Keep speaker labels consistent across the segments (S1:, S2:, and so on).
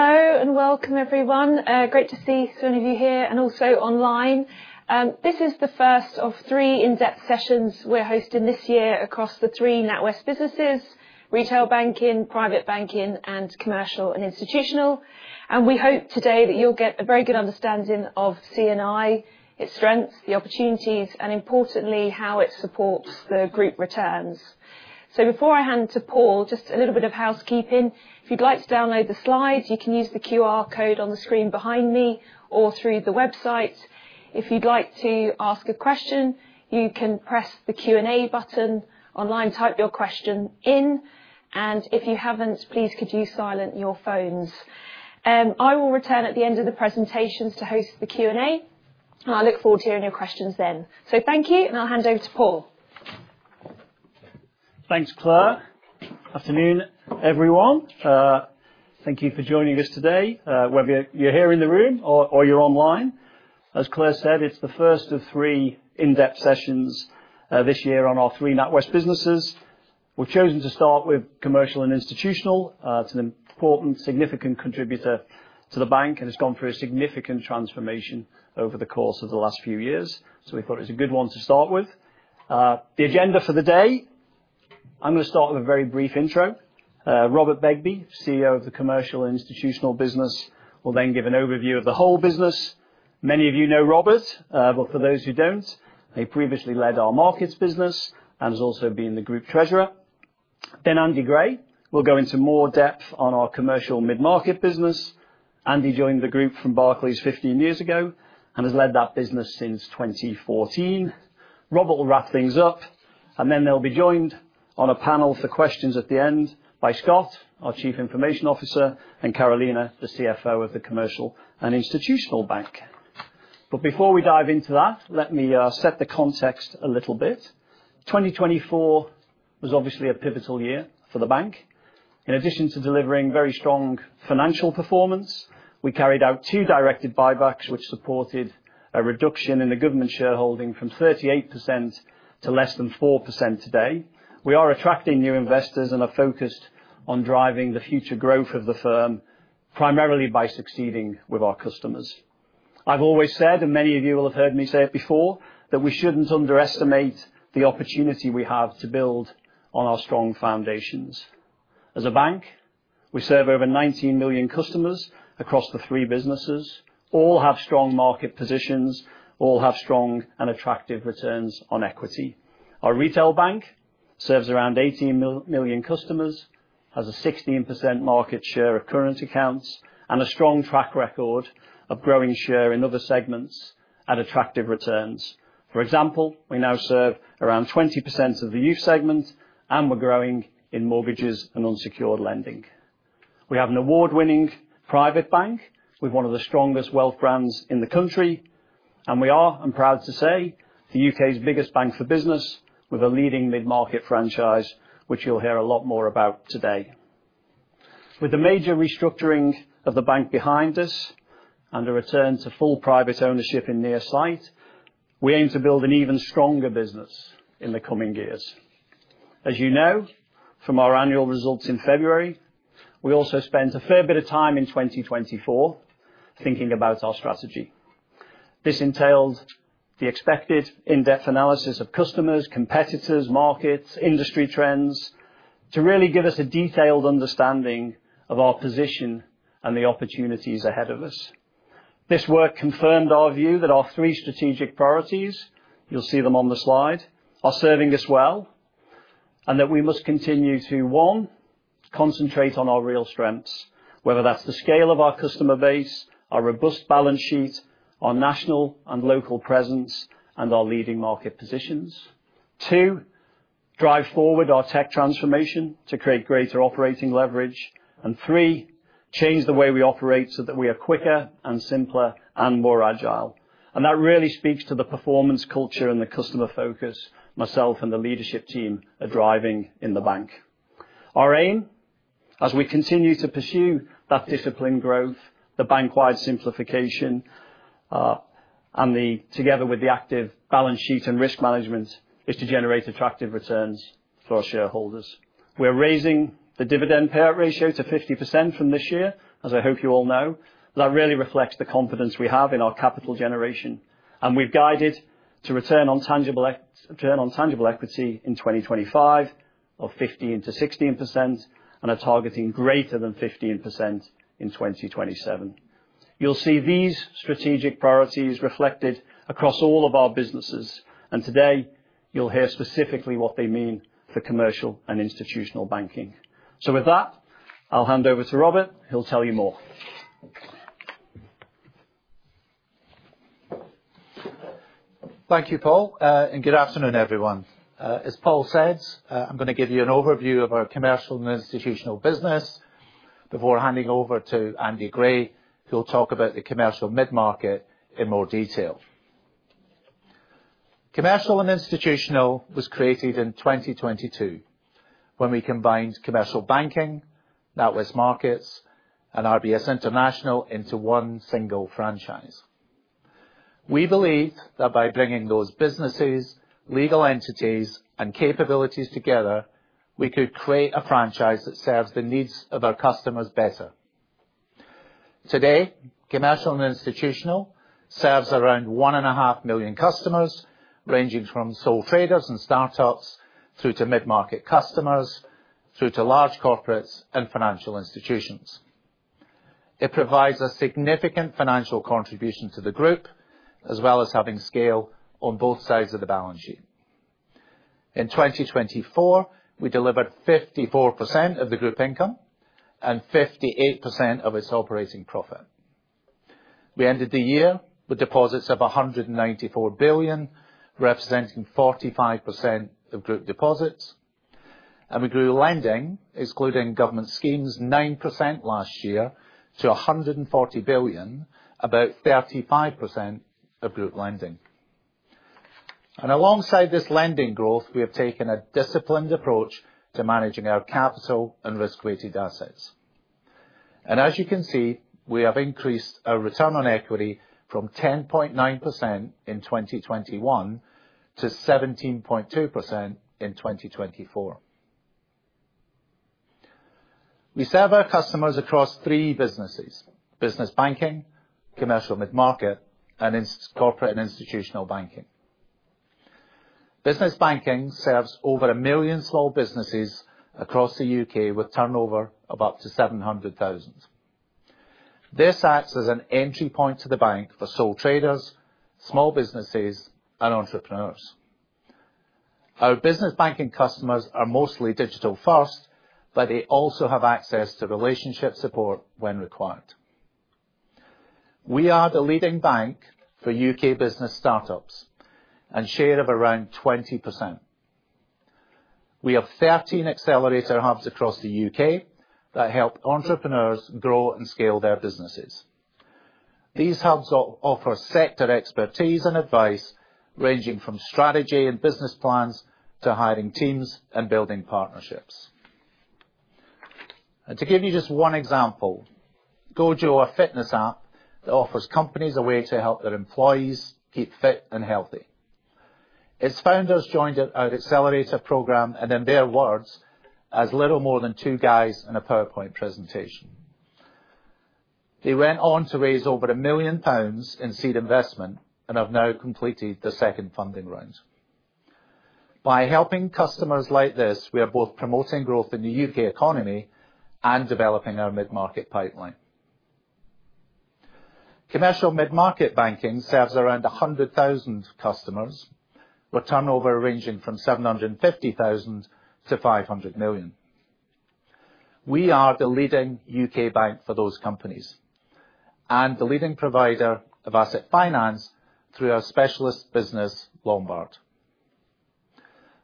S1: Hello and welcome, everyone. Great to see so many of you here and also online. This is the first of three in-depth sessions we're hosting this year across the three NatWest businesses: retail banking, private banking, and commercial and institutional, and we hope today that you'll get a very good understanding of CNI, its strengths, the opportunities, and importantly, how it supports the group returns. Before I hand to Paul, just a little bit of housekeeping. If you'd like to download the slides, you can use the QR code on the screen behind me or through the website. If you'd like to ask a question, you can press the Q&A button online, type your question in, and if you haven't, please could you silence your phones. I will return at the end of the presentations to host the Q&A, and I look forward to hearing your questions then. So thank you, and I'll hand over to Paul.
S2: Thanks, Claire. Afternoon, everyone. Thank you for joining us today, whether you're here in the room or you're online. As Claire said, it's the first of three in-depth sessions this year on our three NatWest businesses. We've chosen to start with commercial and institutional. It's an important, significant contributor to the bank, and it's gone through a significant transformation over the course of the last few years, so we thought it was a good one to start with. The agenda for the day: I'm going to start with a very brief intro. Robert Begbie, CEO of the Commercial and Institutional Business, will then give an overview of the whole business. Many of you know Robert, but for those who don't, he previously led our markets business and has also been the group treasurer. Then Andy Gray will go into more depth on our commercial mid-market business. Andy joined the group from Barclays 15 years ago and has led that business since 2014. Robert will wrap things up, and then they'll be joined on a panel for questions at the end by Scott, our Chief Information Officer, and Carolina, the CFO of the commercial and institutional bank. But before we dive into that, let me set the context a little bit. 2024 was obviously a pivotal year for the bank. In addition to delivering very strong financial performance, we carried out two directed buybacks, which supported a reduction in the government shareholding from 38% to less than 4% today. We are attracting new investors and are focused on driving the future growth of the firm primarily by succeeding with our customers. I've always said, and many of you will have heard me say it before, that we shouldn't underestimate the opportunity we have to build on our strong foundations. As a bank, we serve over 19 million customers across the three businesses, all have strong market positions, all have strong and attractive returns on equity. Our retail bank serves around 18 million customers, has a 16% market share of current accounts, and a strong track record of growing share in other segments at attractive returns. For example, we now serve around 20% of the youth segment, and we're growing in mortgages and unsecured lending. We have an award-winning private bank with one of the strongest wealth brands in the country, and we are, I'm proud to say, the U.K.'s biggest bank for business with a leading mid-market franchise, which you'll hear a lot more about today. With the major restructuring of the bank behind us and a return to full private ownership in sight, we aim to build an even stronger business in the coming years. As you know from our annual results in February, we also spent a fair bit of time in 2024 thinking about our strategy. This entailed the expected in-depth analysis of customers, competitors, markets, and industry trends to really give us a detailed understanding of our position and the opportunities ahead of us. This work confirmed our view that our three strategic priorities—you'll see them on the slide—are serving us well and that we must continue to, one, concentrate on our real strengths, whether that's the scale of our customer base, our robust balance sheet, our national and local presence, and our leading market positions, two, drive forward our tech transformation to create greater operating leverage, and three, change the way we operate so that we are quicker and simpler and more agile, and that really speaks to the performance culture and the customer focus myself and the leadership team are driving in the bank. Our aim, as we continue to pursue that disciplined growth, the bank-wide simplification, and together with the active balance sheet and risk management, is to generate attractive returns for our shareholders. We're raising the dividend payout ratio to 50% from this year, as I hope you all know. That really reflects the confidence we have in our capital generation, and we've guided to return on tangible equity in 2025 of 15%-16% and are targeting greater than 15% in 2027. You'll see these strategic priorities reflected across all of our businesses, and today you'll hear specifically what they mean for commercial and institutional banking, so with that, I'll hand over to Robert. He'll tell you more.
S3: Thank you, Paul, and good afternoon, everyone. As Paul said, I'm going to give you an overview of our Commercial and Institutional business before handing over to Andy Gray, who will talk about the commercial mid-market in more detail. Commercial and Institutional was created in 2022 when we combined commercial banking, NatWest Markets, and RBS International into one single franchise. We believe that by bringing those businesses, legal entities, and capabilities together, we could create a franchise that serves the needs of our customers better. Today, Commercial and Institutional serves around one and a half million customers, ranging from sole traders and startups through to mid-market customers, through to large corporates and financial institutions. It provides a significant financial contribution to the group, as well as having scale on both sides of the balance sheet. In 2024, we delivered 54% of the group income and 58% of its operating profit. We ended the year with deposits of 194 billion, representing 45% of group deposits, and we grew lending, excluding government schemes, 9% last year to 140 billion, about 35% of group lending. And alongside this lending growth, we have taken a disciplined approach to managing our capital and risk-weighted assets. And as you can see, we have increased our return on equity from 10.9% in 2021 to 17.2% in 2024. We serve our customers across three businesses: business banking, commercial mid-market, and corporate and institutional banking. Business banking serves over a million small businesses across the U.K. with turnover of up to 700,000. This acts as an entry point to the bank for sole traders, small businesses, and entrepreneurs. Our business banking customers are mostly digital-first, but they also have access to relationship support when required. We are the leading bank for U.K. business startups and share of around 20%. We have 13 accelerator hubs across the U.K. that help entrepreneurs grow and scale their businesses. These hubs offer sector expertise and advice ranging from strategy and business plans to hiring teams and building partnerships, and to give you just one example, GoJoe is a fitness app that offers companies a way to help their employees keep fit and healthy. Its founders joined our accelerator program, and in their words, as little more than two guys in a PowerPoint presentation. They went on to raise over 1 million pounds in seed investment and have now completed the second funding round. By helping customers like this, we are both promoting growth in the U.K. economy and developing our mid-market pipeline. Commercial mid-market banking serves around 100,000 customers with turnover ranging from 750,000 to 500 million. We are the leading U.K. bank for those companies and the leading provider of asset finance through our specialist business, Lombard.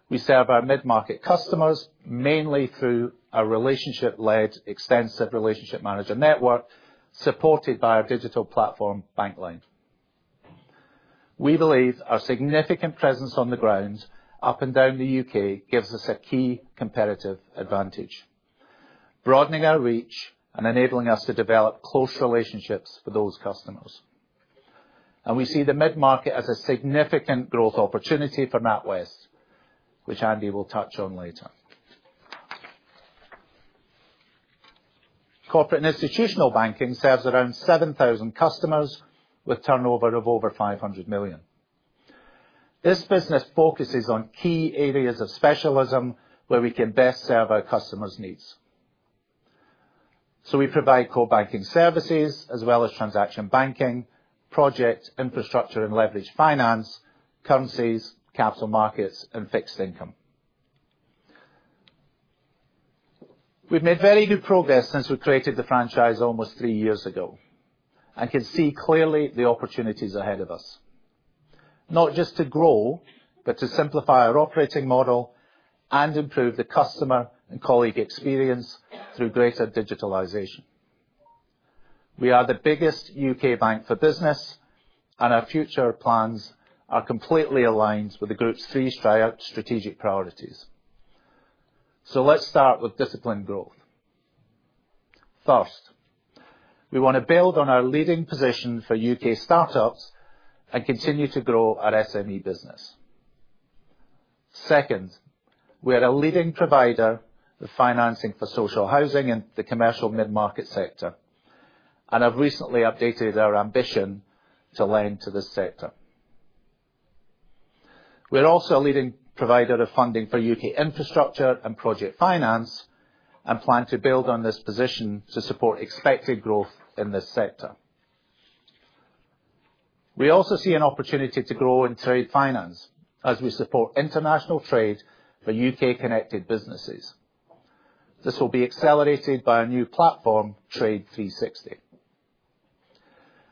S3: We serve our mid-market customers mainly through our relationship-led extensive relationship manager network supported by our digital platform, Bankline. We believe our significant presence on the ground up and down the U.K. gives us a key competitive advantage, broadening our reach and enabling us to develop close relationships for those customers. And we see the mid-market as a significant growth opportunity for NatWest, which Andy will touch on later. Corporate and institutional banking serves around 7,000 customers with turnover of over 500 million. This business focuses on key areas of specialism where we can best serve our customers' needs. So we provide co-banking services as well as transaction banking, project infrastructure and leverage finance, currencies, capital markets, and fixed income. We've made very good progress since we created the franchise almost three years ago and can see clearly the opportunities ahead of us, not just to grow, but to simplify our operating model and improve the customer and colleague experience through greater digitalization. We are the biggest U.K. bank for business, and our future plans are completely aligned with the group's three strategic priorities. So let's start with disciplined growth. First, we want to build on our leading position for U.K. startups and continue to grow our SME business. Second, we are a leading provider of financing for social housing in the commercial mid-market sector and have recently updated our ambition to lend to this sector. We're also a leading provider of funding for U.K. infrastructure and project finance and plan to build on this position to support expected growth in this sector. We also see an opportunity to grow in trade finance as we support international trade for U.K.-connected businesses. This will be accelerated by our new platform, Trade360,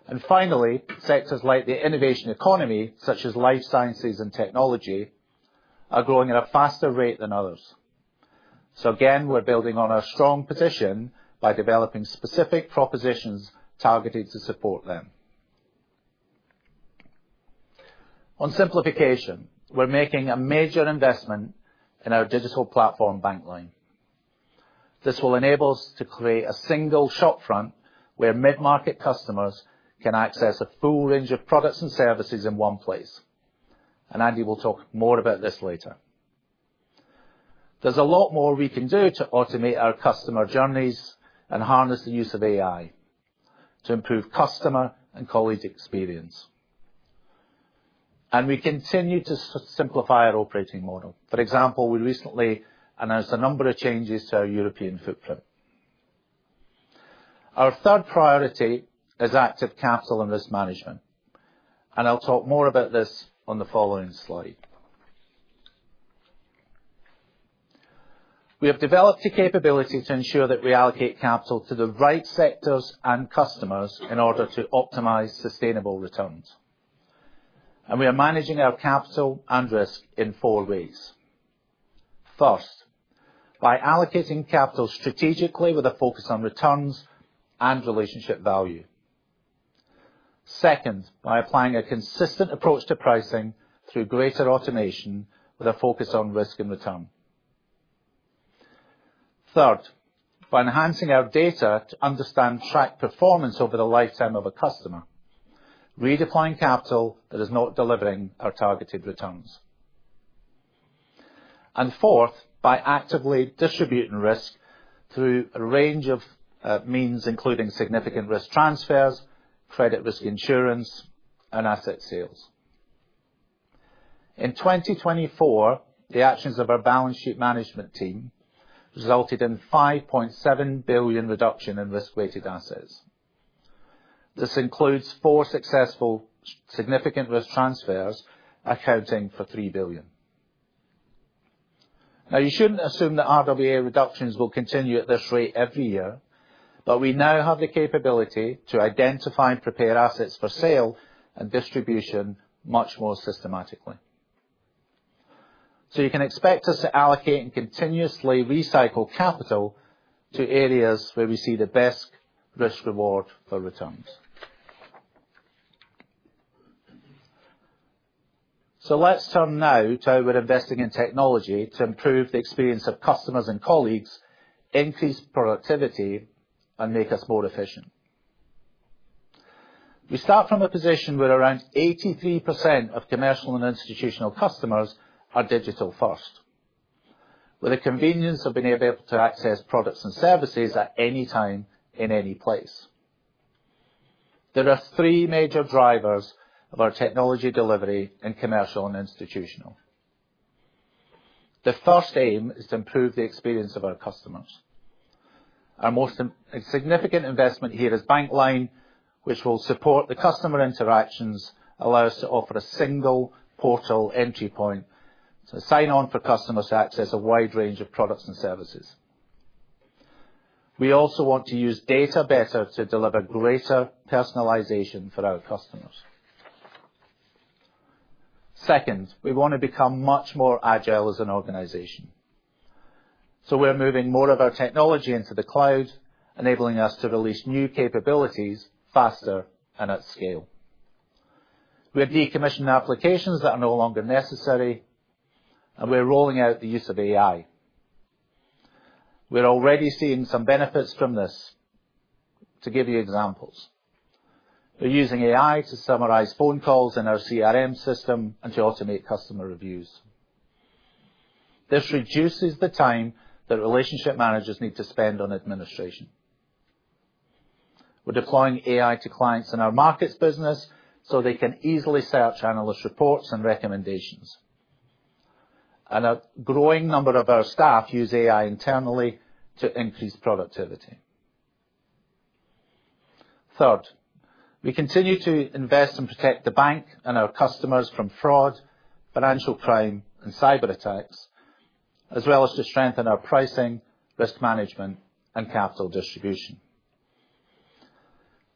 S3: and finally, sectors like the innovation economy, such as life sciences and technology, are growing at a faster rate than others, so again, we're building on our strong position by developing specific propositions targeted to support them. On simplification, we're making a major investment in our digital platform, Bankline. This will enable us to create a single shopfront where mid-market customers can access a full range of products and services in one place, and Andy will talk more about this later. There's a lot more we can do to automate our customer journeys and harness the use of AI to improve customer and colleague experience, and we continue to simplify our operating model. For example, we recently announced a number of changes to our European footprint. Our third priority is active capital and risk management, and I'll talk more about this on the following slide. We have developed a capability to ensure that we allocate capital to the right sectors and customers in order to optimize sustainable returns. And we are managing our capital and risk in four ways. First, by allocating capital strategically with a focus on returns and relationship value. Second, by applying a consistent approach to pricing through greater automation with a focus on risk and return. Third, by enhancing our data to understand track performance over the lifetime of a customer, redeploying capital that is not delivering our targeted returns. And fourth, by actively distributing risk through a range of means, including significant risk transfers, credit risk insurance, and asset sales. In 2024, the actions of our balance sheet management team resulted in a 5.7 billion reduction in risk-weighted assets. This includes four successful significant risk transfers accounting for 3 billion. Now, you shouldn't assume that RWA reductions will continue at this rate every year, but we now have the capability to identify and prepare assets for sale and distribution much more systematically, so you can expect us to allocate and continuously recycle capital to areas where we see the best risk-reward for returns, so let's turn now to how we're investing in technology to improve the experience of customers and colleagues, increase productivity, and make us more efficient. We start from a position where around 83% of commercial and institutional customers are digital-first, with a convenience of being able to access products and services at any time, in any place. There are three major drivers of our technology delivery in commercial and institutional. The first aim is to improve the experience of our customers. Our most significant investment here is Bankline, which will support the customer interactions, allow us to offer a single portal entry point to sign on for customers to access a wide range of products and services. We also want to use data better to deliver greater personalization for our customers. Second, we want to become much more agile as an organization. So we're moving more of our technology into the cloud, enabling us to release new capabilities faster and at scale. We have decommissioned applications that are no longer necessary, and we're rolling out the use of AI. We're already seeing some benefits from this. To give you examples, we're using AI to summarize phone calls in our CRM system and to automate customer reviews. This reduces the time that relationship managers need to spend on administration. We're deploying AI to clients in our markets business so they can easily search analyst reports and recommendations. And a growing number of our staff use AI internally to increase productivity. Third, we continue to invest and protect the bank and our customers from fraud, financial crime, and cyberattacks, as well as to strengthen our pricing, risk management, and capital distribution.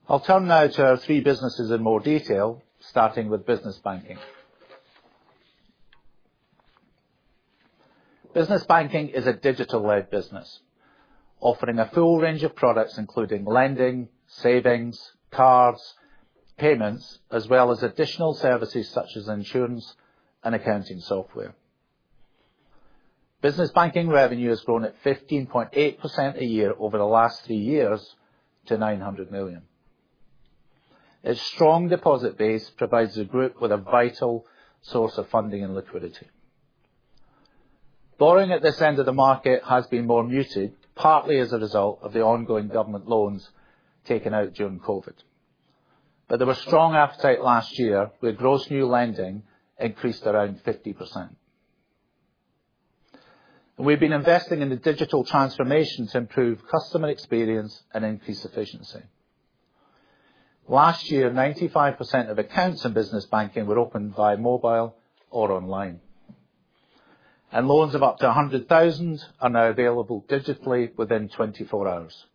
S3: I'll turn now to our three businesses in more detail, starting with business banking. Business banking is a digital-led business, offering a full range of products, including lending, savings, cards, payments, as well as additional services such as insurance and accounting software. Business banking revenue has grown at 15.8% a year over the last three years to 900 million. Its strong deposit base provides the group with a vital source of funding and liquidity. Borrowing at this end of the market has been more muted, partly as a result of the ongoing government loans taken out during COVID, but there was strong appetite last year, where gross new lending increased around 50%, and we've been investing in the digital transformation to improve customer experience and increase efficiency. Last year, 95% of accounts in business banking were opened via mobile or online, and loans of up to 100,000 are now available digitally within 24 hours,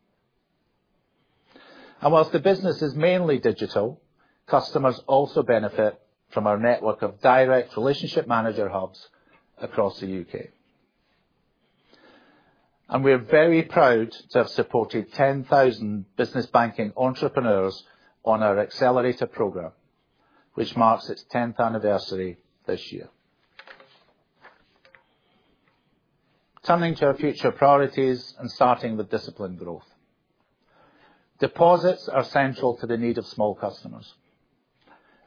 S3: and whilst the business is mainly digital, customers also benefit from our network of direct relationship manager hubs across the U.K., and we're very proud to have supported 10,000 business banking entrepreneurs on our accelerator program, which marks its 10th anniversary this year. Turning to our future priorities and starting with disciplined growth. Deposits are central to the need of small customers.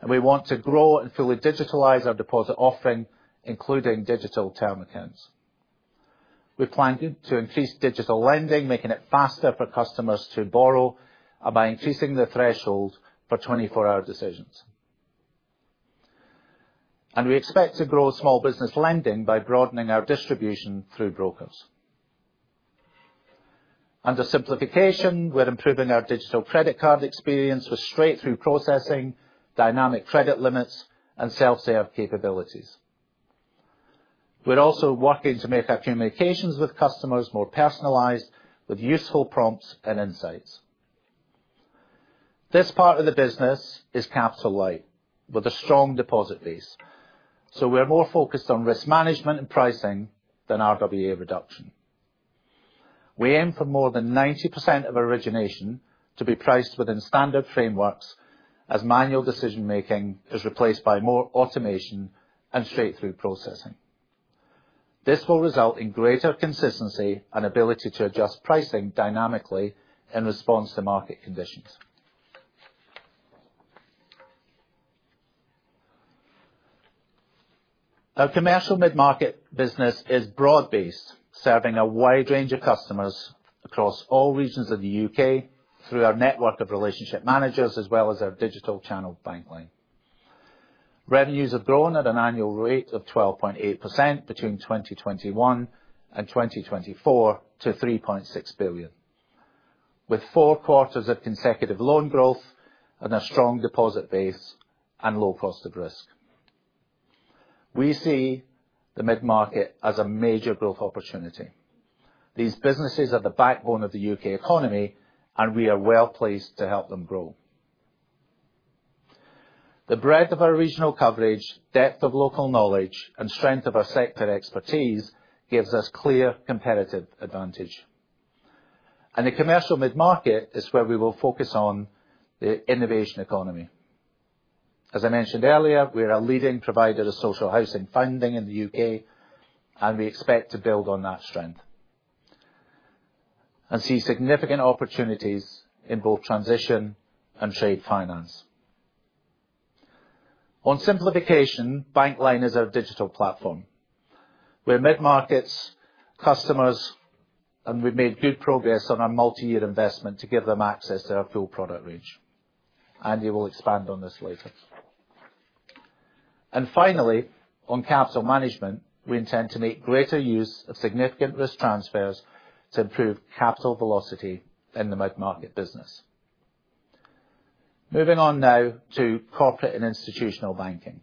S3: And we want to grow and fully digitalize our deposit offering, including digital term accounts. We plan to increase digital lending, making it faster for customers to borrow by increasing the threshold for 24-hour decisions. And we expect to grow small business lending by broadening our distribution through brokers. Under simplification, we're improving our digital credit card experience with straight-through processing, dynamic credit limits, and self-serve capabilities. We're also working to make our communications with customers more personalized with useful prompts and insights. This part of the business is capital-light, with a strong deposit base. So we're more focused on risk management and pricing than RWA reduction. We aim for more than 90% of origination to be priced within standard frameworks, as manual decision-making is replaced by more automation and straight-through processing. This will result in greater consistency and ability to adjust pricing dynamically in response to market conditions. Our commercial mid-market business is broad-based, serving a wide range of customers across all regions of the U.K. through our network of relationship managers, as well as our digital channel Bankline. Revenues have grown at an annual rate of 12.8% between 2021 and 2024 to 3.6 billion, with four quarters of consecutive loan growth and a strong deposit base and low cost of risk. We see the mid-market as a major growth opportunity. These businesses are the backbone of the U.K. economy, and we are well placed to help them grow. The breadth of our regional coverage, depth of local knowledge, and strength of our sector expertise gives us clear competitive advantage, and the commercial mid-market is where we will focus on the innovation economy. As I mentioned earlier, we are a leading provider of social housing funding in the U.K., and we expect to build on that strength and see significant opportunities in both transition and trade finance. On simplification, Bankline is our digital platform. We're mid-market customers, and we've made good progress on our multi-year investment to give them access to our full product range. Andy will expand on this later. And finally, on capital management, we intend to make greater use of significant risk transfers to improve capital velocity in the mid-market business. Moving on now to corporate and institutional banking.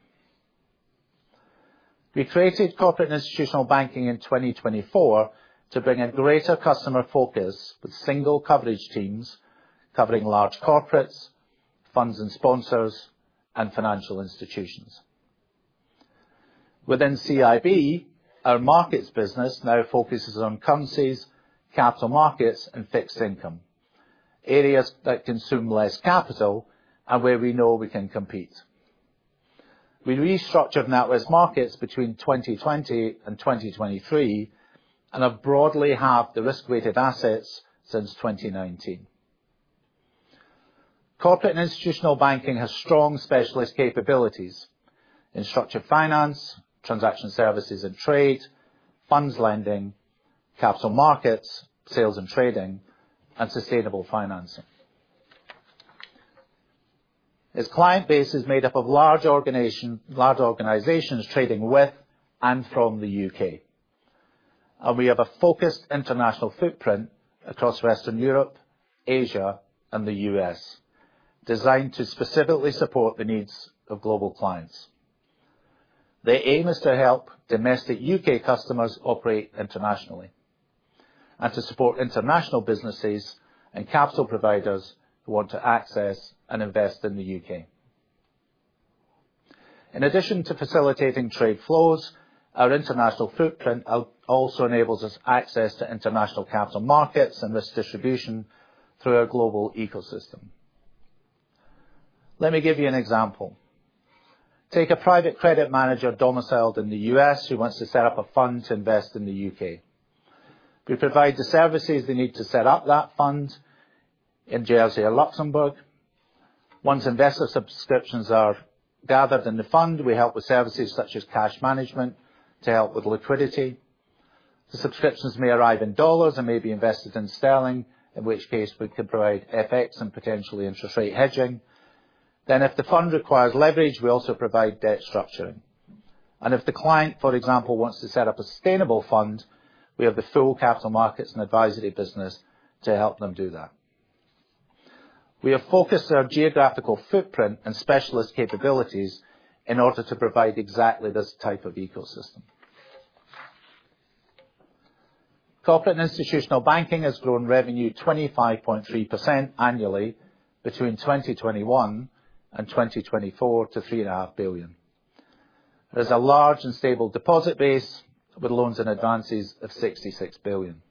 S3: We created corporate and institutional banking in 2024 to bring a greater customer focus with single coverage teams covering large corporates, funds and sponsors, and financial institutions. Within CIB, our markets business now focuses on currencies, capital markets, and fixed income areas that consume less capital and where we know we can compete. We restructured NatWest Markets between 2020 and 2023 and have broadly halved the risk-weighted assets since 2019. Corporate and institutional banking has strong specialist capabilities in structured finance, transaction services and trade, funds lending, capital markets, sales and trading, and sustainable financing. Its client base is made up of large organizations trading with and from the U.K., and we have a focused international footprint across Western Europe, Asia, and the U.S., designed to specifically support the needs of global clients. The aim is to help domestic U.K. customers operate internationally and to support international businesses and capital providers who want to access and invest in the U.K. In addition to facilitating trade flows, our international footprint also enables us access to international capital markets and risk distribution through our global ecosystem. Let me give you an example. Take a private credit manager domiciled in the U.S. who wants to set up a fund to invest in the U.K. We provide the services they need to set up that fund in Jersey or Luxembourg. Once investor subscriptions are gathered in the fund, we help with services such as cash management to help with liquidity. The subscriptions may arrive in dollars and may be invested in sterling, in which case we can provide FX and potentially interest rate hedging, then if the fund requires leverage, we also provide debt structuring, and if the client, for example, wants to set up a sustainable fund, we have the full capital markets and advisory business to help them do that. We have focused our geographical footprint and specialist capabilities in order to provide exactly this type of ecosystem. Corporate and institutional banking has grown revenue 25.3% annually between 2021 and 2024 to 3.5 billion. There's a large and stable deposit base with loans and advances of 66 billion.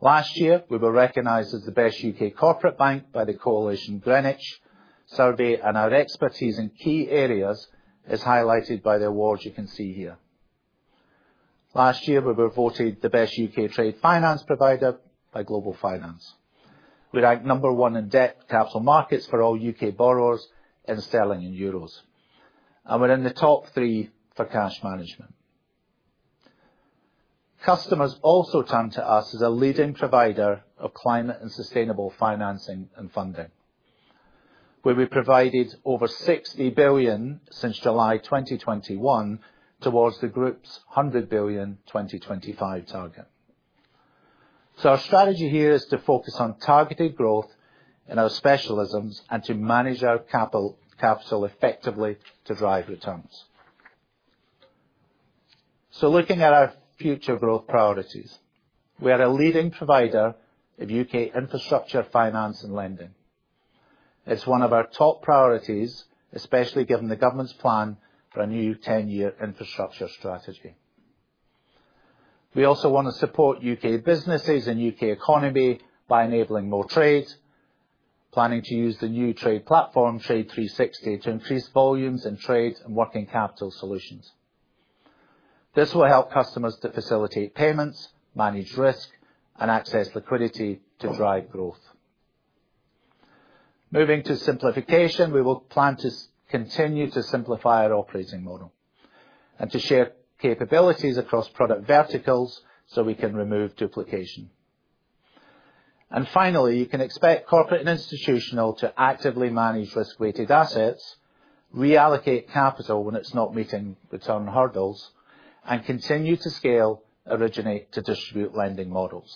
S3: Last year, we were recognized as the best U.K. corporate bank by the Coalition Greenwich Survey, and our expertise in key areas is highlighted by the awards you can see here. Last year, we were voted the best U.K. trade finance provider by Global Finance. We ranked number one in debt capital markets for all U.K. borrowers in sterling and euros, and we're in the top three for cash management. Customers also turn to us as a leading provider of climate and sustainable financing and funding, where we provided over 60 billion since July 2021 towards the group's 100 billion 2025 target. So our strategy here is to focus on targeted growth in our specialisms and to manage our capital effectively to drive returns. So looking at our future growth priorities, we are a leading provider of U.K. infrastructure finance and lending. It's one of our top priorities, especially given the government's plan for a new 10-year infrastructure strategy. We also want to support U.K. businesses and U.K. economy by enabling more trade, planning to use the new trade platform, Trade360, to increase volumes in trade and working capital solutions. This will help customers to facilitate payments, manage risk, and access liquidity to drive growth. Moving to simplification, we will plan to continue to simplify our operating model and to share capabilities across product verticals so we can remove duplication. Finally, you can expect corporate and institutional to actively manage risk-weighted assets, reallocate capital when it's not meeting return hurdles, and continue to scale, originate to distribute lending models.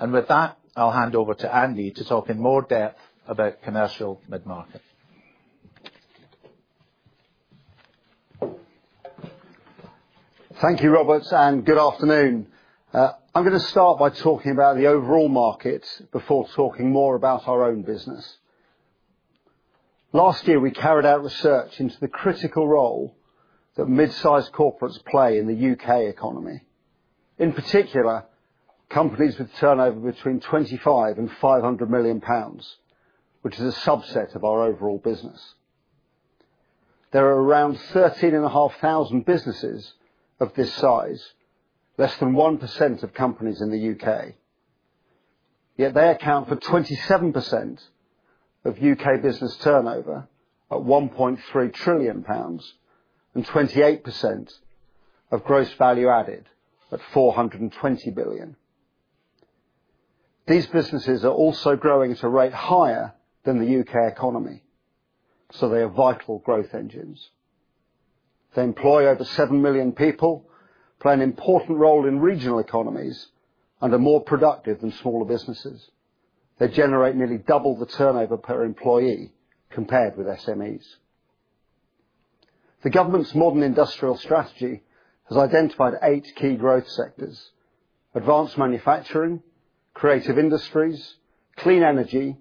S3: With that, I'll hand over to Andy to talk in more depth about commercial mid-market.
S4: Thank you, Robert, and good afternoon. I'm going to start by talking about the overall market before talking more about our own business. Last year, we carried out research into the critical role that mid-sized corporates play in the U.K. economy, in particular companies with turnover between 25 million and 500 million pounds, which is a subset of our overall business. There are around 13,500 businesses of this size, less than 1% of companies in the U.K. Yet they account for 27% of U.K. business turnover at 1.3 trillion pounds and 28% of gross value added at 420 billion. These businesses are also growing at a rate higher than the U.K. economy, so they are vital growth engines. They employ over seven million people, play an important role in regional economies, and are more productive than smaller businesses. They generate nearly double the turnover per employee compared with SMEs. The government's modern industrial strategy has identified eight key growth sectors: advanced manufacturing, creative industries, clean energy,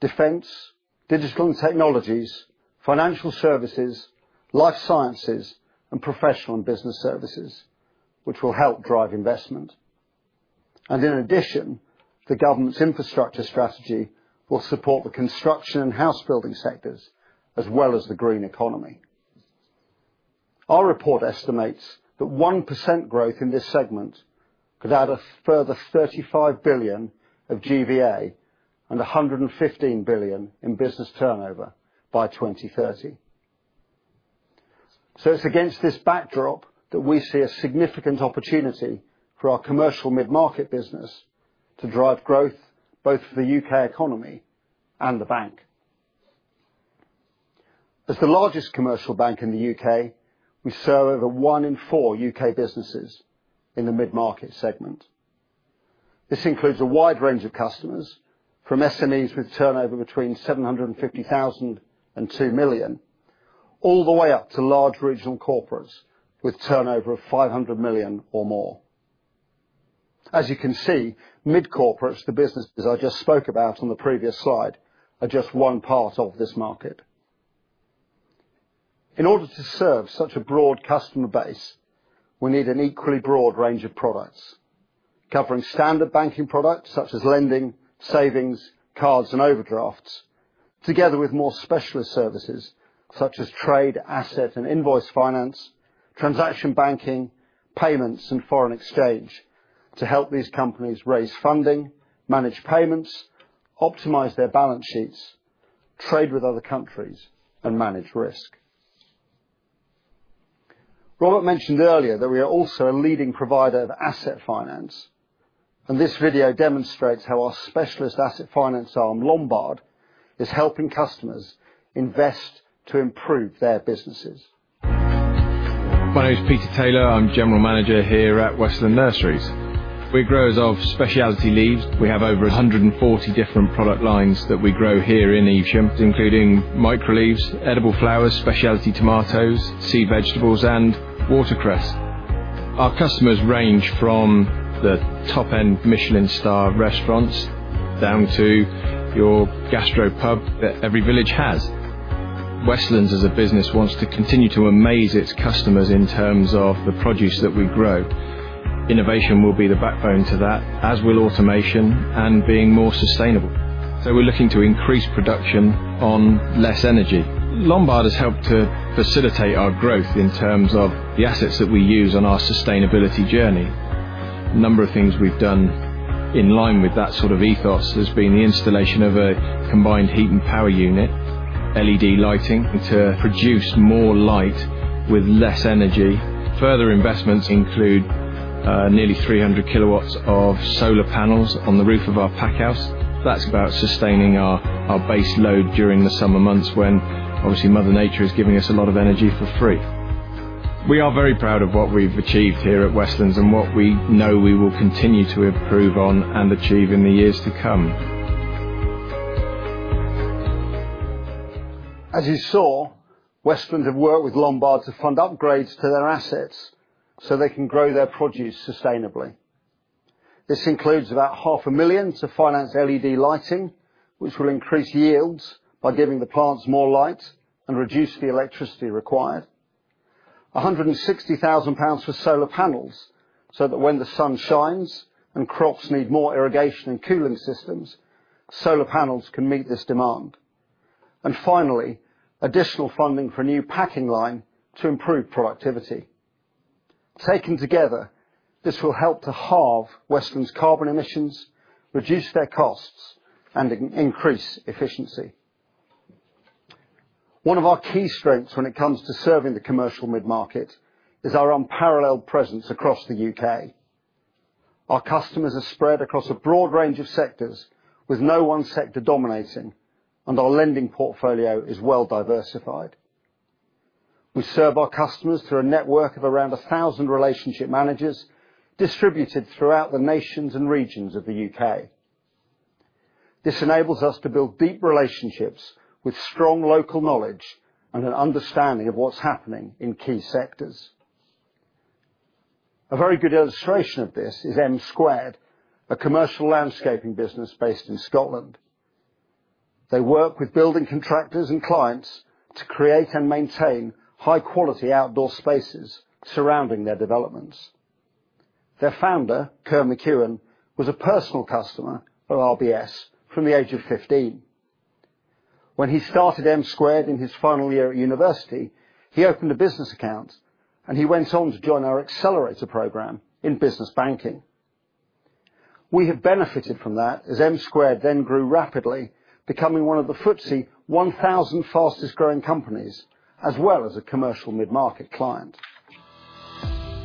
S4: defense, digital and technologies, financial services, life sciences, and professional and business services, which will help drive investment. And in addition, the government's infrastructure strategy will support the construction and house-building sectors as well as the green economy. Our report estimates that 1% growth in this segment could add a further 35 billion of GVA and 115 billion in business turnover by 2030. It's against this backdrop that we see a significant opportunity for our commercial mid-market business to drive growth both for the U.K. economy and the bank. As the largest commercial bank in the U.K., we serve over one in four U.K. businesses in the mid-market segment. This includes a wide range of customers from SMEs with turnover between 750,000 and two million, all the way up to large regional corporates with turnover of 500 million or more. As you can see, mid-corporates, the businesses I just spoke about on the previous slide, are just one part of this market. In order to serve such a broad customer base, we need an equally broad range of products covering standard banking products such as lending, savings, cards, and overdrafts, together with more specialist services such as trade, asset, and invoice finance, transaction banking, payments, and foreign exchange to help these companies raise funding, manage payments, optimize their balance sheets, trade with other countries, and manage risk. Robert mentioned earlier that we are also a leading provider of asset finance, and this video demonstrates how our specialist asset finance arm, Lombard, is helping customers invest to improve their businesses.
S5: My name is Peter Taylor. I'm General Manager here at Westland Nurseries. We grow a lot of specialty leaves. We have over 140 different product lines that we grow here in Evesham, including micro leaves, edible flowers, specialty tomatoes, seed vegetables, and watercress. Our customers range from the top-end Michelin-star restaurants down to your gastro pub that every village has. Westlands, as a business, wants to continue to amaze its customers in terms of the produce that we grow. Innovation will be the backbone to that, as will automation and being more sustainable. So we're looking to increase production on less energy. Lombard has helped to facilitate our growth in terms of the assets that we use on our sustainability journey. A number of things we've done in line with that sort of ethos has been the installation of a combined heat and power unit, LED lighting to produce more light with less energy. Further investments include nearly 300 kW of solar panels on the roof of our packhouse. That's about sustaining our base load during the summer months when, obviously, Mother Nature is giving us a lot of energy for free. We are very proud of what we've achieved here at Westlands and what we know we will continue to improve on and achieve in the years to come.
S4: As you saw, Westlands have worked with Lombard to fund upgrades to their assets so they can grow their produce sustainably. This includes about 500,000 to finance LED lighting, which will increase yields by giving the plants more light and reduce the electricity required. 160,000 pounds for solar panels so that when the sun shines and crops need more irrigation and cooling systems, solar panels can meet this demand. And finally, additional funding for a new packing line to improve productivity. Taken together, this will help to halve Westlands' carbon emissions, reduce their costs, and increase efficiency. One of our key strengths when it comes to serving the commercial mid-market is our unparalleled presence across the U.K. Our customers are spread across a broad range of sectors with no one sector dominating, and our lending portfolio is well diversified. We serve our customers through a network of around 1,000 relationship managers distributed throughout the nations and regions of the U.K. This enables us to build deep relationships with strong local knowledge and an understanding of what's happening in key sectors. A very good illustration of this is M Squared, a commercial landscaping business based in Scotland. They work with building contractors and clients to create and maintain high-quality outdoor spaces surrounding their developments. Their founder, Kermit Kuehan, was a personal customer of RBS from the age of 15. When he started M Squared in his final year at university, he opened a business account, and he went on to join our accelerator program in business banking. We have benefited from that as M Squared then grew rapidly, becoming one of the FTSE 1,000 fastest-growing companies, as well as a commercial mid-market client.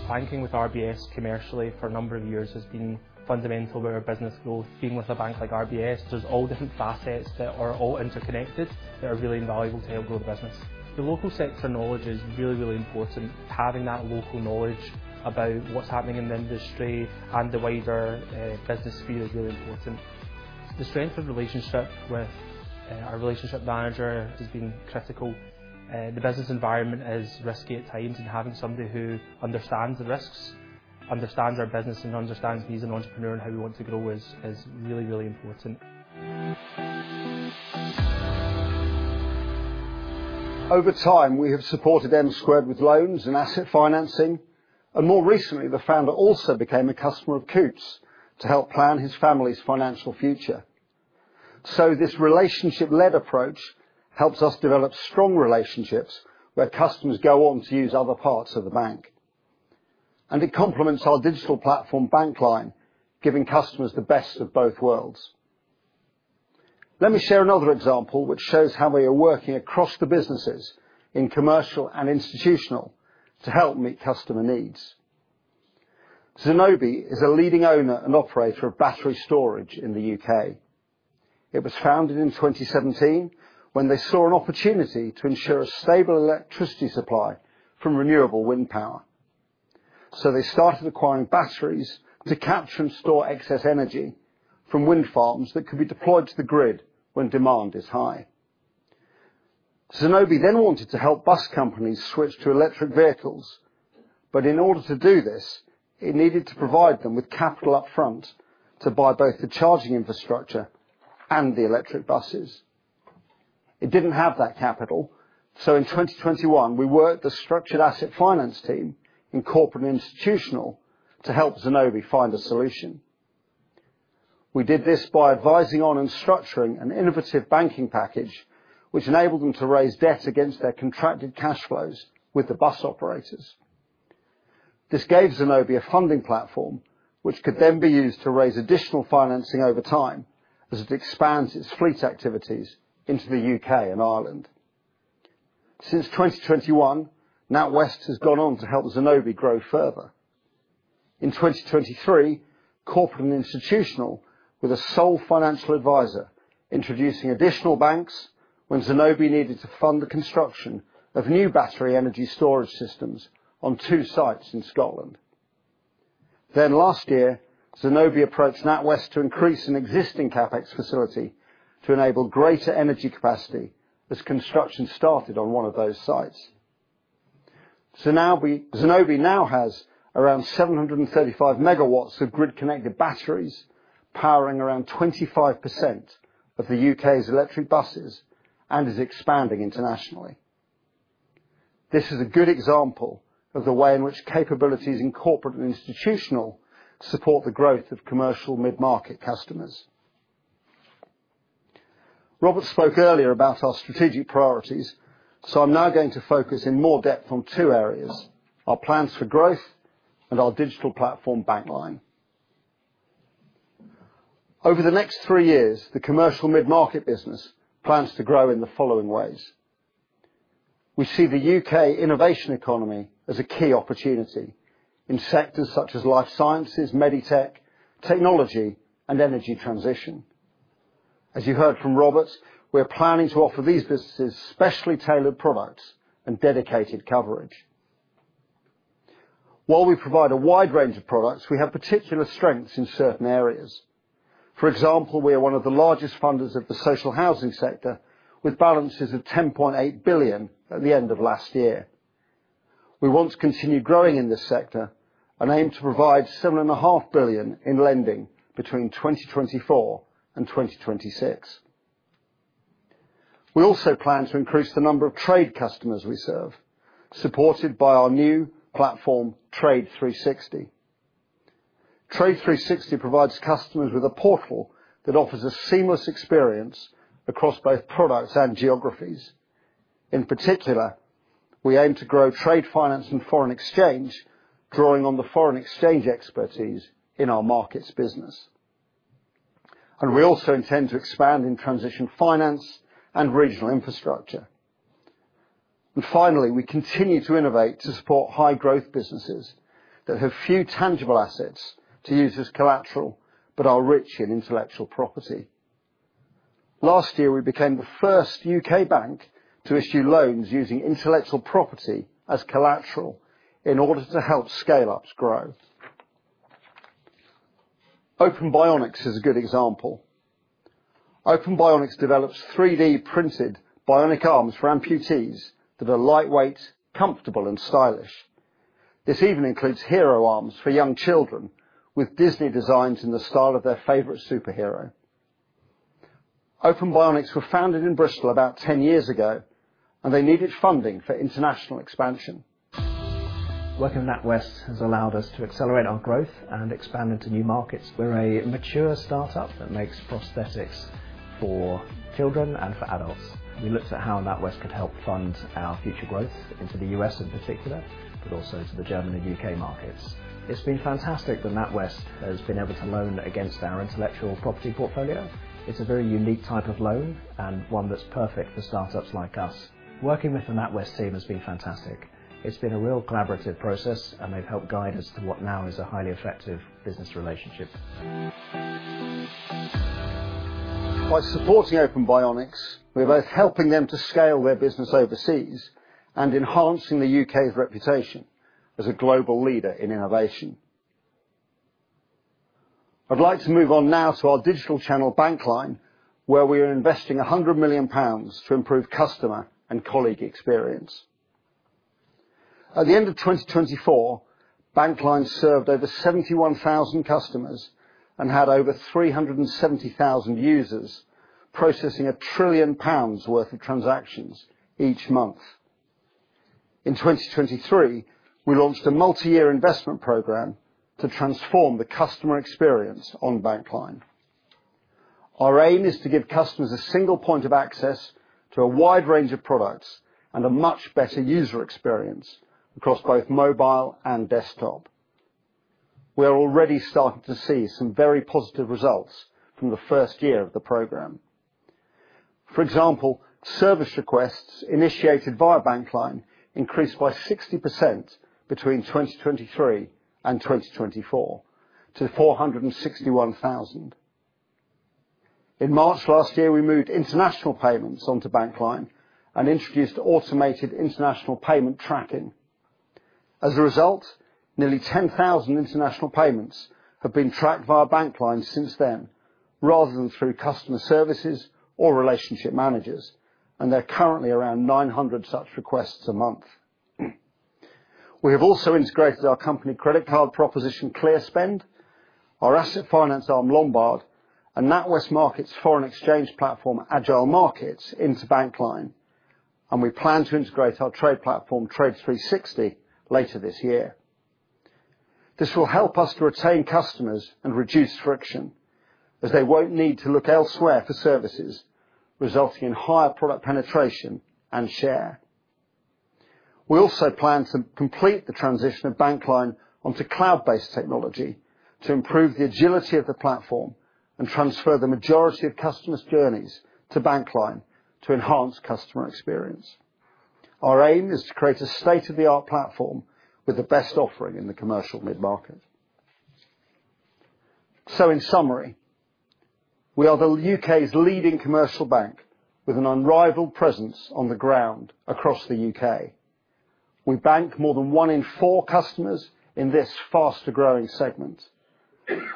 S5: Banking with RBS commercially for a number of years has been fundamental to our business growth. Being with a bank like RBS, there's all different facets that are all interconnected that are really invaluable to help grow the business. The local sector knowledge is really, really important. Having that local knowledge about what's happening in the industry and the wider business sphere is really important. The strength of relationship with our relationship manager has been critical. The business environment is risky at times, and having somebody who understands the risks, understands our business, and understands me as an entrepreneur and how we want to grow is really, really important.
S4: Over time, we have supported M Squared with loans and asset financing, and more recently, the founder also became a customer of Coutts to help plan his family's financial future. So this relationship-led approach helps us develop strong relationships where customers go on to use other parts of the bank, and it complements our digital platform bank line, giving customers the best of both worlds. Let me share another example which shows how we are working across the businesses in commercial and institutional to help meet customer needs. Zenobē is a leading owner and operator of battery storage in the U.K. It was founded in 2017 when they saw an opportunity to ensure a stable electricity supply from renewable wind power. So they started acquiring batteries to capture and store excess energy from wind farms that could be deployed to the grid when demand is high. Zenobē then wanted to help bus companies switch to electric vehicles, but in order to do this, it needed to provide them with capital upfront to buy both the charging infrastructure and the electric buses. It didn't have that capital, so in 2021, we worked with the structured asset finance team in corporate and institutional to help Zenobē find a solution. We did this by advising on and structuring an innovative banking package which enabled them to raise debt against their contracted cash flows with the bus operators. This gave Zenobē a funding platform which could then be used to raise additional financing over time as it expands its fleet activities into the U.K. and Ireland. Since 2021, NatWest has gone on to help Zenobē grow further. In 2023, Corporate and Institutional with a sole financial advisor introduced additional banks when Zenobē needed to fund the construction of new battery energy storage systems on two sites in Scotland. Then last year, Zenobē approached NatWest to increase an existing CapEx facility to enable greater energy capacity as construction started on one of those sites. Zenobē now has around 735 MW of grid-connected batteries powering around 25% of the U.K.'s electric buses and is expanding internationally. This is a good example of the way in which capabilities in Corporate and Institutional support the growth of commercial mid-market customers. Robert spoke earlier about our strategic priorities, so I'm now going to focus in more depth on two areas: our plans for growth and our digital platform Bankline. Over the next three years, the commercial mid-market business plans to grow in the following ways. We see the U.K. innovation economy as a key opportunity in sectors such as life sciences, medtech, technology, and energy transition. As you heard from Robert, we're planning to offer these businesses specially tailored products and dedicated coverage. While we provide a wide range of products, we have particular strengths in certain areas. For example, we are one of the largest funders of the social housing sector with balances of 10.8 billion at the end of last year. We want to continue growing in this sector and aim to provide 7.5 billion in lending between 2024 and 2026. We also plan to increase the number of trade customers we serve, supported by our new platform, Trade360. Trade360 provides customers with a portal that offers a seamless experience across both products and geographies. In particular, we aim to grow trade finance and foreign exchange, drawing on the foreign exchange expertise in our markets business. And we also intend to expand in transition finance and regional infrastructure. And finally, we continue to innovate to support high-growth businesses that have few tangible assets to use as collateral but are rich in intellectual property. Last year, we became the first U.K. bank to issue loans using intellectual property as collateral in order to help scale-ups grow. Open Bionics is a good example. Open Bionics develops 3D-printed bionic arms for amputees that are lightweight, comfortable, and stylish. This even includes hero arms for young children with Disney designs in the style of their favorite superhero. Open Bionics were founded in Bristol about 10 years ago, and they needed funding for international expansion.
S5: Working with NatWest has allowed us to accelerate our growth and expand into new markets. We're a mature startup that makes prosthetics for children and for adults. We looked at how NatWest could help fund our future growth into the U.S. in particular, but also to the German and U.K. markets. It's been fantastic that NatWest has been able to loan against our intellectual property portfolio. It's a very unique type of loan and one that's perfect for startups like us. Working with the NatWest team has been fantastic. It's been a real collaborative process, and they've helped guide us to what now is a highly effective business relationship.
S4: By supporting Open Bionics, we're both helping them to scale their business overseas and enhancing the U.K.'s reputation as a global leader in innovation. I'd like to move on now to our digital channel bank line, where we are investing 100 million pounds to improve customer and colleague experience. At the end of 2024, Bankline served over 71,000 customers and had over 370,000 users processing 1 trillion pounds worth of transactions each month. In 2023, we launched a multi-year investment program to transform the customer experience on Bankline. Our aim is to give customers a single point of access to a wide range of products and a much better user experience across both mobile and desktop. We are already starting to see some very positive results from the first year of the program. For example, service requests initiated via Bankline increased by 60% between 2023 and 2024 to 461,000. In March last year, we moved international payments onto Bankline and introduced automated international payment tracking. As a result, nearly 10,000 international payments have been tracked via bank line since then, rather than through customer services or relationship managers, and there are currently around 900 such requests a month. We have also integrated our company credit card proposition ClearSpend, our asset finance arm Lombard, and NatWest Markets' foreign exchange platform Agile Markets into bank line, and we plan to integrate our trade platform Trade360 later this year. This will help us to retain customers and reduce friction, as they won't need to look elsewhere for services, resulting in higher product penetration and share. We also plan to complete the transition of bank line onto cloud-based technology to improve the agility of the platform and transfer the majority of customers' journeys to bank line to enhance customer experience. Our aim is to create a state-of-the-art platform with the best offering in the commercial mid-market. In summary, we are the U.K.'s leading commercial bank with an unrivaled presence on the ground across the U.K. We bank more than one in four customers in this faster-growing segment,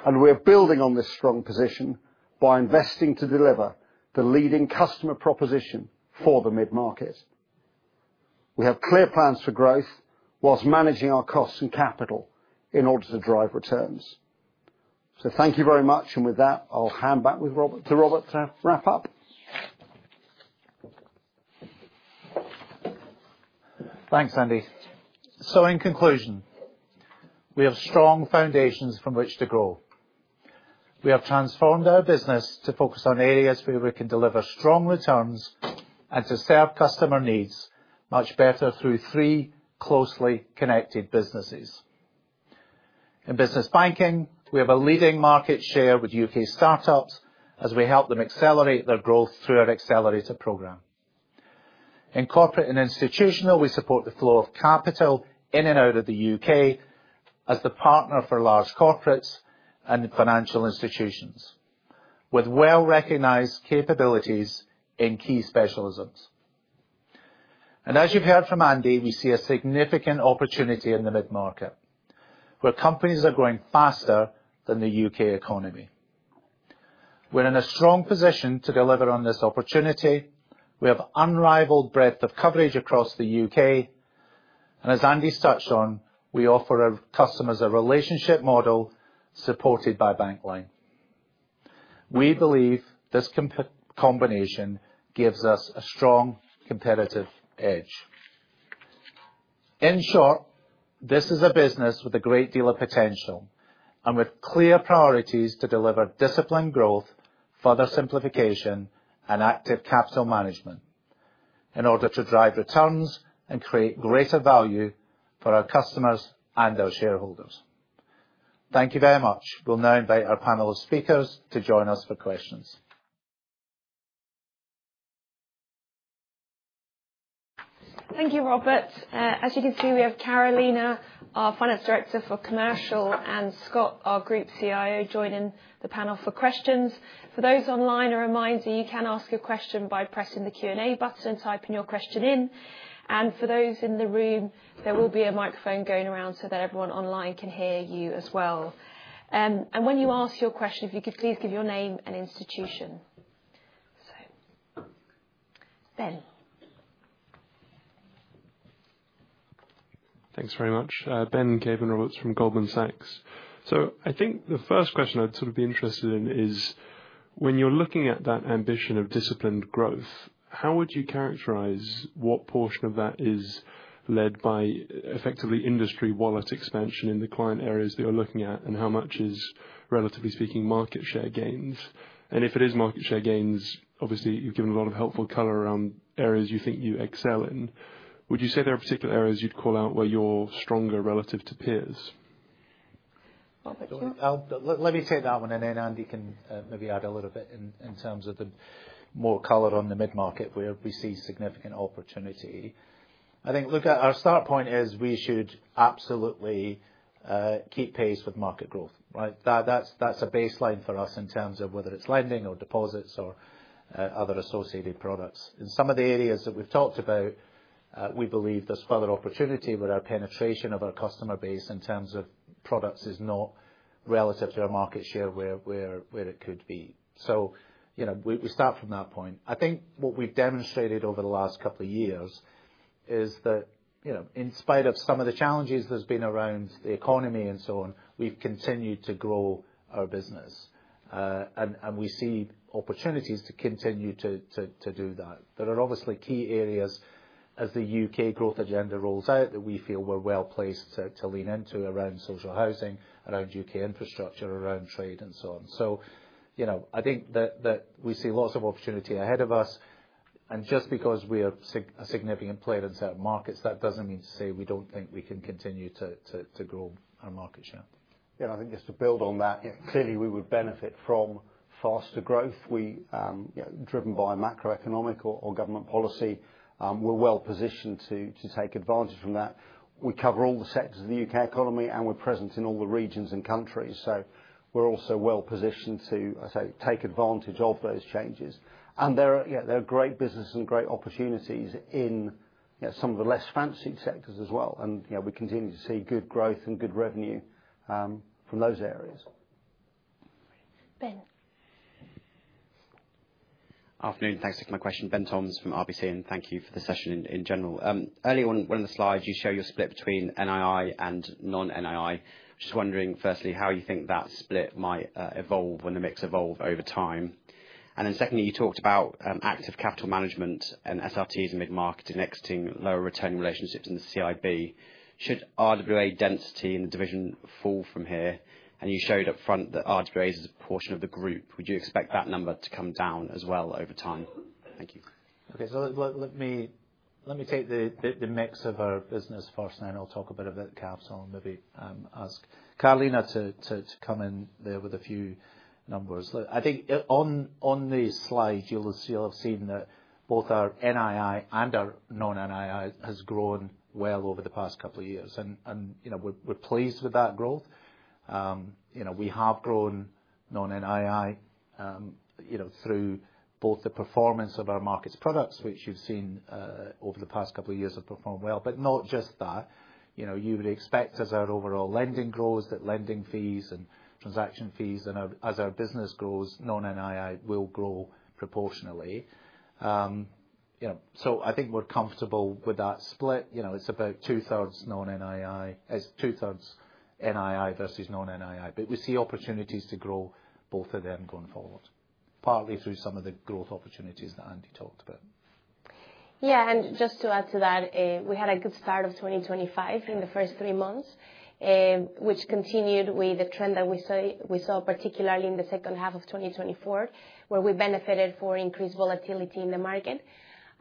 S4: and we are building on this strong position by investing to deliver the leading customer proposition for the mid-market. We have clear plans for growth whilst managing our costs and capital in order to drive returns. So thank you very much, and with that, I'll hand back to Robert to wrap up.
S3: Thanks, Andy. In conclusion, we have strong foundations from which to grow. We have transformed our business to focus on areas where we can deliver strong returns and to serve customer needs much better through three closely connected businesses. In business banking, we have a leading market share with U.K. startups as we help them accelerate their growth through our accelerator program. In corporate and institutional, we support the flow of capital in and out of the U.K. as the partner for large corporates and financial institutions, with well-recognized capabilities in key specialisms, and as you've heard from Andy, we see a significant opportunity in the mid-market where companies are growing faster than the U.K. economy. We're in a strong position to deliver on this opportunity. We have unrivaled breadth of coverage across the U.K., and as Andy's touched on, we offer our customers a relationship model supported by bank line. We believe this combination gives us a strong competitive edge. In short, this is a business with a great deal of potential and with clear priorities to deliver disciplined growth, further simplification, and active capital management in order to drive returns and create greater value for our customers and our shareholders. Thank you very much. We'll now invite our panel of speakers to join us for questions.
S1: Thank you, Robert. As you can see, we have Carolina, our Finance Director for Commercial, and Scott, our Group CIO, joining the panel for questions. For those online, a reminder, you can ask your question by pressing the Q&A button and typing your question in. And for those in the room, there will be a microphone going around so that everyone online can hear you as well. And when you ask your question, if you could please give your name and institution. So, Ben.
S6: Thanks very much. Ben Cavan Roberts from Goldman Sachs. I think the first question I'd sort of be interested in is, when you're looking at that ambition of disciplined growth, how would you characterize what portion of that is led by effectively industry wallet expansion in the client areas that you're looking at, and how much is, relatively speaking, market share gains? If it is market share gains, obviously, you've given a lot of helpful color around areas you think you excel in. Would you say there are particular areas you'd call out where you're stronger relative to peers?
S3: Let me take that one, and then Andy can maybe add a little bit in terms of the more color on the mid-market where we see significant opportunity. I think, look, our start point is we should absolutely keep pace with market growth, right? That's a baseline for us in terms of whether it's lending or deposits or other associated products. In some of the areas that we've talked about, we believe there's further opportunity where our penetration of our customer base in terms of products is not relative to our market share where it could be. So we start from that point. I think what we've demonstrated over the last couple of years is that in spite of some of the challenges there's been around the economy and so on, we've continued to grow our business, and we see opportunities to continue to do that. There are obviously key areas as the U.K. growth agenda rolls out that we feel we're well placed to lean into around social housing, around U.K. infrastructure, around trade, and so on. So I think that we see lots of opportunity ahead of us, and just because we're a significant player in certain markets, that doesn't mean to say we don't think we can continue to grow our market share.
S4: Yeah, and I think just to build on that, clearly, we would benefit from faster growth. Driven by macroeconomic or government policy, we're well positioned to take advantage from that. We cover all the sectors of the U.K. economy, and we're present in all the regions and countries. So we're also well positioned to, I'd say, take advantage of those changes. And there are great business and great opportunities in some of the less fancy sectors as well, and we continue to see good growth and good revenue from those areas.
S1: Ben.
S7: Afternoon. Thanks for my question. Ben Toms from RBC, and thank you for the session in general. Earlier on one of the slides, you show your split between NII and non-NII. I was just wondering, firstly, how you think that split might evolve when the mix evolves over time. And then secondly, you talked about active capital management and SRTs in mid-market and exiting lower-returning relationships in the CIB. Should RWA density in the division fall from here? And you showed up front that RWAs is a portion of the group. Would you expect that number to come down as well over time? Thank you.
S3: Okay, so let me take the mix of our business first, and then I'll talk a bit about the capital and maybe ask Carolina to come in there with a few numbers. I think on these slides, you'll have seen that both our NII and our non-NII has grown well over the past couple of years, and we're pleased with that growth. We have grown non-NII through both the performance of our markets products, which you've seen over the past couple of years have performed well, but not just that. You would expect as our overall lending grows, that lending fees and transaction fees, and as our business grows, non-NII will grow proportionally. So I think we're comfortable with that split. It's about 2/3 non-NII versus non-NII, but we see opportunities to grow both of them going forward, partly through some of the growth opportunities that Andy talked about.
S8: Yeah, and just to add to that, we had a good start of 2025 in the first three months, which continued with the trend that we saw, particularly in the second half of 2024, where we benefited from increased volatility in the market.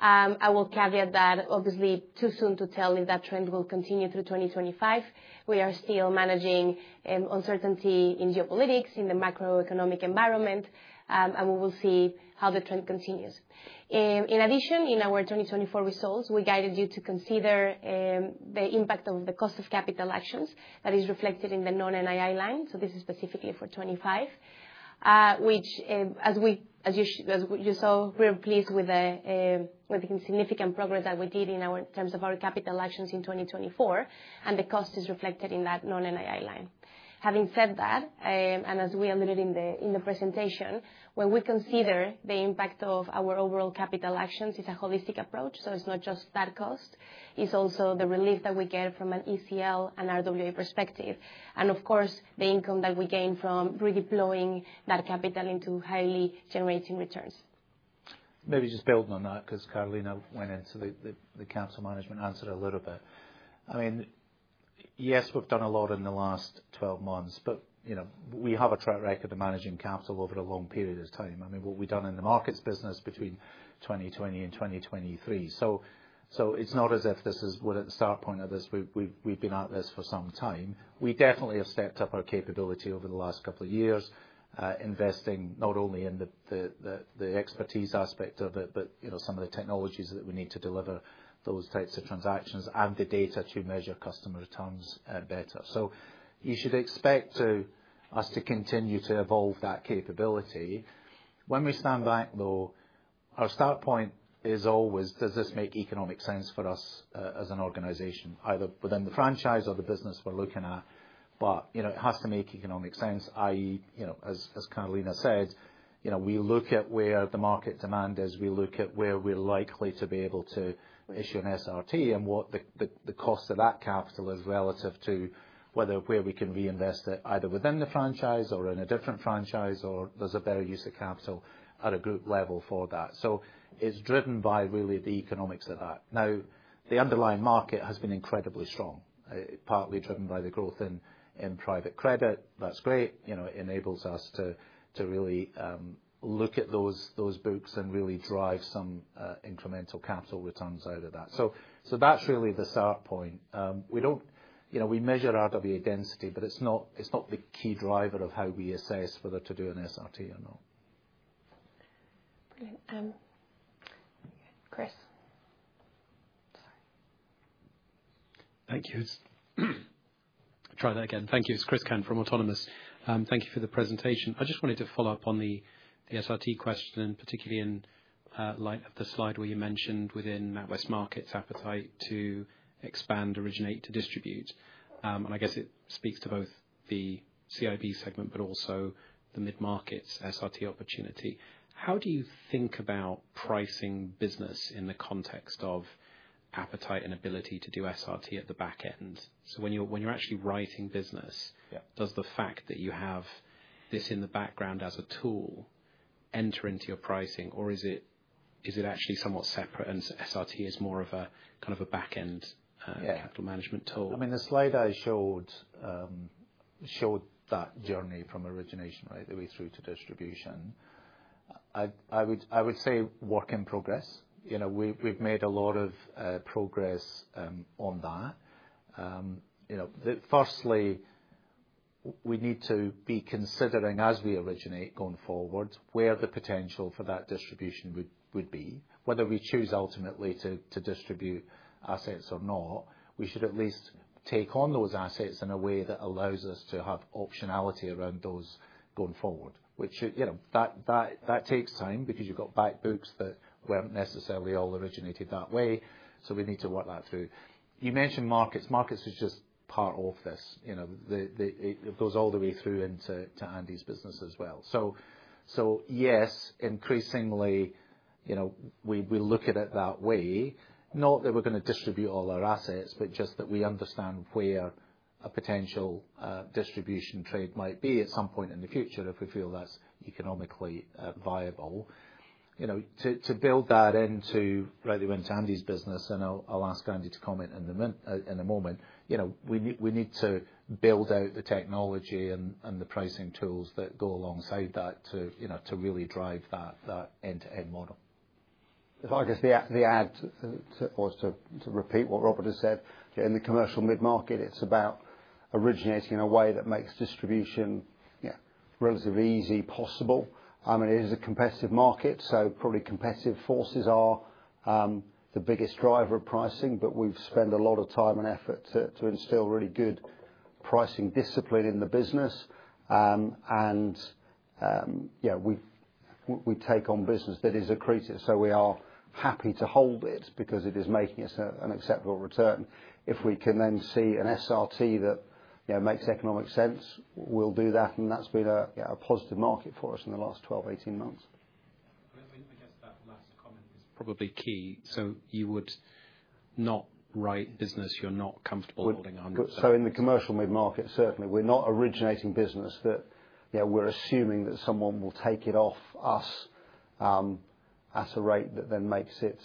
S8: I will caveat that, obviously, too soon to tell if that trend will continue through 2025. We are still managing uncertainty in geopolitics, in the macroeconomic environment, and we will see how the trend continues. In addition, in our 2024 results, we guided you to consider the impact of the cost of capital actions that is reflected in the non-NII line, so this is specifically for 2025, which, as you saw, we're pleased with the significant progress that we did in terms of our capital actions in 2024, and the cost is reflected in that non-NII line. Having said that, and as we alluded in the presentation, when we consider the impact of our overall capital actions, it's a holistic approach, so it's not just that cost. It's also the relief that we get from an ECL and RWA perspective, and of course, the income that we gain from redeploying that capital into highly generating returns.
S4: Maybe just building on that, because Carolina went into the capital management answer a little bit. I mean, yes, we've done a lot in the last 12 months, but we have a track record of managing capital over a long period of time. I mean, what we've done in the markets business between 2020 and 2023. So it's not as if this is at the start point of this. We've been at this for some time. We definitely have stepped up our capability over the last couple of years, investing not only in the expertise aspect of it, but some of the technologies that we need to deliver those types of transactions and the data to measure customer returns better. So you should expect us to continue to evolve that capability. When we stand back, though, our start point is always, does this make economic sense for us as an organization, either within the franchise or the business we're looking at? But it has to make economic sense, i.e., as Carolina said, we look at where the market demand is. We look at where we're likely to be able to issue an SRT and what the cost of that capital is relative to whether we can reinvest it either within the franchise or in a different franchise, or there's a better use of capital at a group level for that. So it's driven by really the economics of that. Now, the underlying market has been incredibly strong, partly driven by the growth in private credit. That's great. It enables us to really look at those books and really drive some incremental capital returns out of that. So that's really the start point. We measure RWA density, but it's not the key driver of how we assess whether to do an SRT or not.
S9: It's Chris Cant from Autonomous. Thank you for the presentation. I just wanted to follow up on the SRT question, particularly in light of the slide where you mentioned within NatWest Markets' appetite to expand, originate, to distribute. And I guess it speaks to both the CIB segment, but also the mid-markets SRT opportunity. How do you think about pricing business in the context of appetite and ability to do SRT at the back end? So when you're actually writing business, does the fact that you have this in the background as a tool enter into your pricing, or is it actually somewhat separate and SRT is more of a kind of a back-end capital management tool?
S3: I mean, the slide I showed that journey from origination, right, the way through to distribution. I would say work in progress. We've made a lot of progress on that. Firstly, we need to be considering, as we originate going forward, where the potential for that distribution would be. Whether we choose ultimately to distribute assets or not, we should at least take on those assets in a way that allows us to have optionality around those going forward, which takes time because you've got back books that weren't necessarily all originated that way. So we need to work that through. You mentioned markets. Markets is just part of this. It goes all the way through into Andy's business as well. So yes, increasingly, we look at it that way. Not that we're going to distribute all our assets, but just that we understand where a potential distribution trade might be at some point in the future if we feel that's economically viable. To build that into, right, the way into Andy's business, and I'll ask Andy to comment in a moment, we need to build out the technology and the pricing tools that go alongside that to really drive that end-to-end model.
S4: If I could just add, or to repeat what Robert has said, in the commercial mid-market, it's about originating in a way that makes distribution relatively easy possible. I mean, it is a competitive market, so probably competitive forces are the biggest driver of pricing, but we've spent a lot of time and effort to instill really good pricing discipline in the business, and we take on business that is accretive. So we are happy to hold it because it is making us an acceptable return. If we can then see an SRT that makes economic sense, we'll do that, and that's been a positive market for us in the last 12-18 months.
S9: I guess that last comment is probably key. So you would not write business you're not comfortable holding 100%?
S4: So in the commercial mid-market, certainly. We're not originating business that we're assuming that someone will take it off us at a rate that then makes it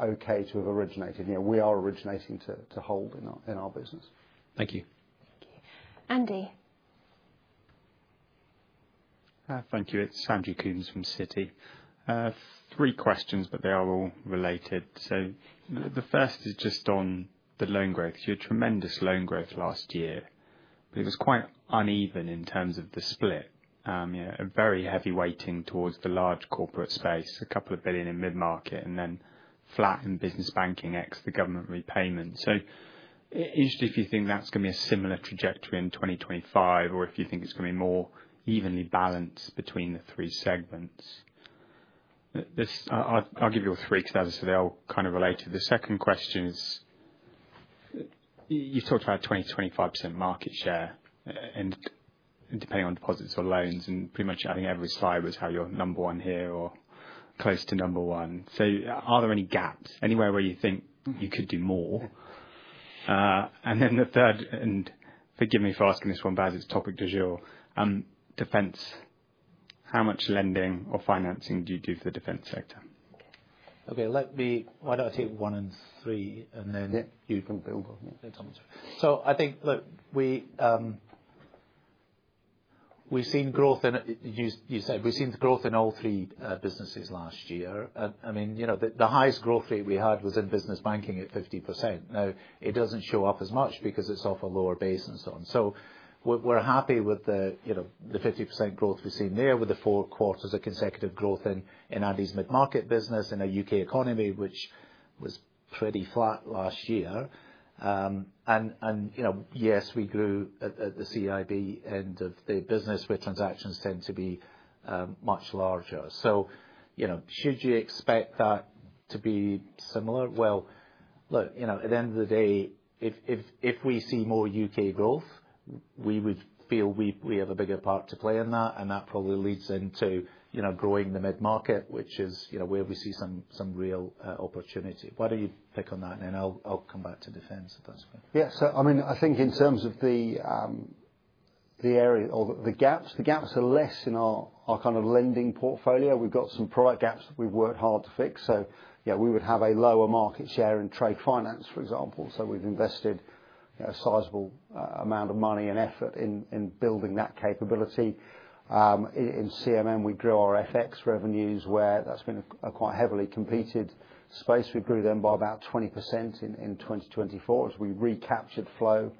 S4: okay to have originated. We are originating to hold in our business.
S9: Thank you.
S1: Andy.
S9: Thank you.
S10: It's Andrew Coombs from Citi. Three questions, but they are all related. So the first is just on the loan growth. You had tremendous loan growth last year, but it was quite uneven in terms of the split. Very heavy weighting towards the large corporate space, a couple of billion in mid-market, and then flat in business banking ex the government repayment. So interested if you think that's going to be a similar trajectory in 2025, or if you think it's going to be more evenly balanced between the three segments. I'll give you all three because they're all kind of related. The second question is, you've talked about 20%-25% market share, and depending on deposits or loans, and pretty much I think every slide was how you're number one here or close to number one. So are there any gaps? Anywhere where you think you could do more? And then the third, and forgive me for asking this one about its topic de jure, defense. How much lending or financing do you do for the defense sector?
S3: Okay, let me why don't I take one and three, and then you can build on. So I think, look, we've seen growth in, you said, we've seen growth in all three businesses last year. I mean, the highest growth rate we had was in business banking at 50%. Now, it doesn't show up as much because it's off a lower base and so on. So we're happy with the 50% growth we've seen there with the four quarters of consecutive growth in Andy's mid-market business in a U.K. economy, which was pretty flat last year. Yes, we grew at the CIB end of the business where transactions tend to be much larger. Should you expect that to be similar? Look, at the end of the day, if we see more U.K. growth, we would feel we have a bigger part to play in that, and that probably leads into growing the mid-market, which is where we see some real opportunity. Why don't you pick up on that, and then I'll come back to defense if that's fine.
S4: Yeah, so I mean, I think in terms of the gaps, the gaps are less in our kind of lending portfolio. We've got some product gaps that we've worked hard to fix. Yeah, we would have a lower market share in trade finance, for example. We've invested a sizable amount of money and effort in building that capability. In CMM, we grew our FX revenues where that's been a quite heavily competed space. We grew them by about 20% in 2024 as we recaptured flow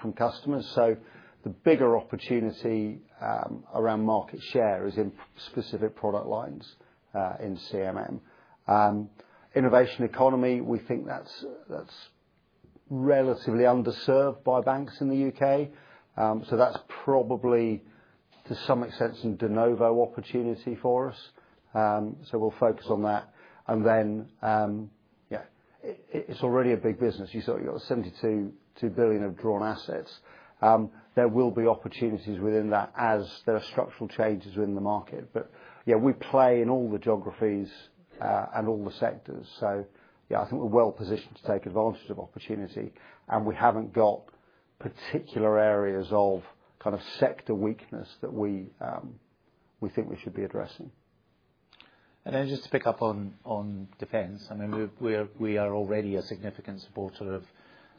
S4: from customers. So the bigger opportunity around market share is in specific product lines in CMM. Innovation economy, we think that's relatively underserved by banks in the U.K. So that's probably, to some extent, some de novo opportunity for us. So we'll focus on that. And then, yeah, it's already a big business. You've got 72 billion of drawn assets. There will be opportunities within that as there are structural changes within the market. But yeah, we play in all the geographies and all the sectors. So yeah, I think we're well positioned to take advantage of opportunity, and we haven't got particular areas of kind of sector weakness that we think we should be addressing.
S3: And then just to pick up on defense, I mean, we are already a significant supporter of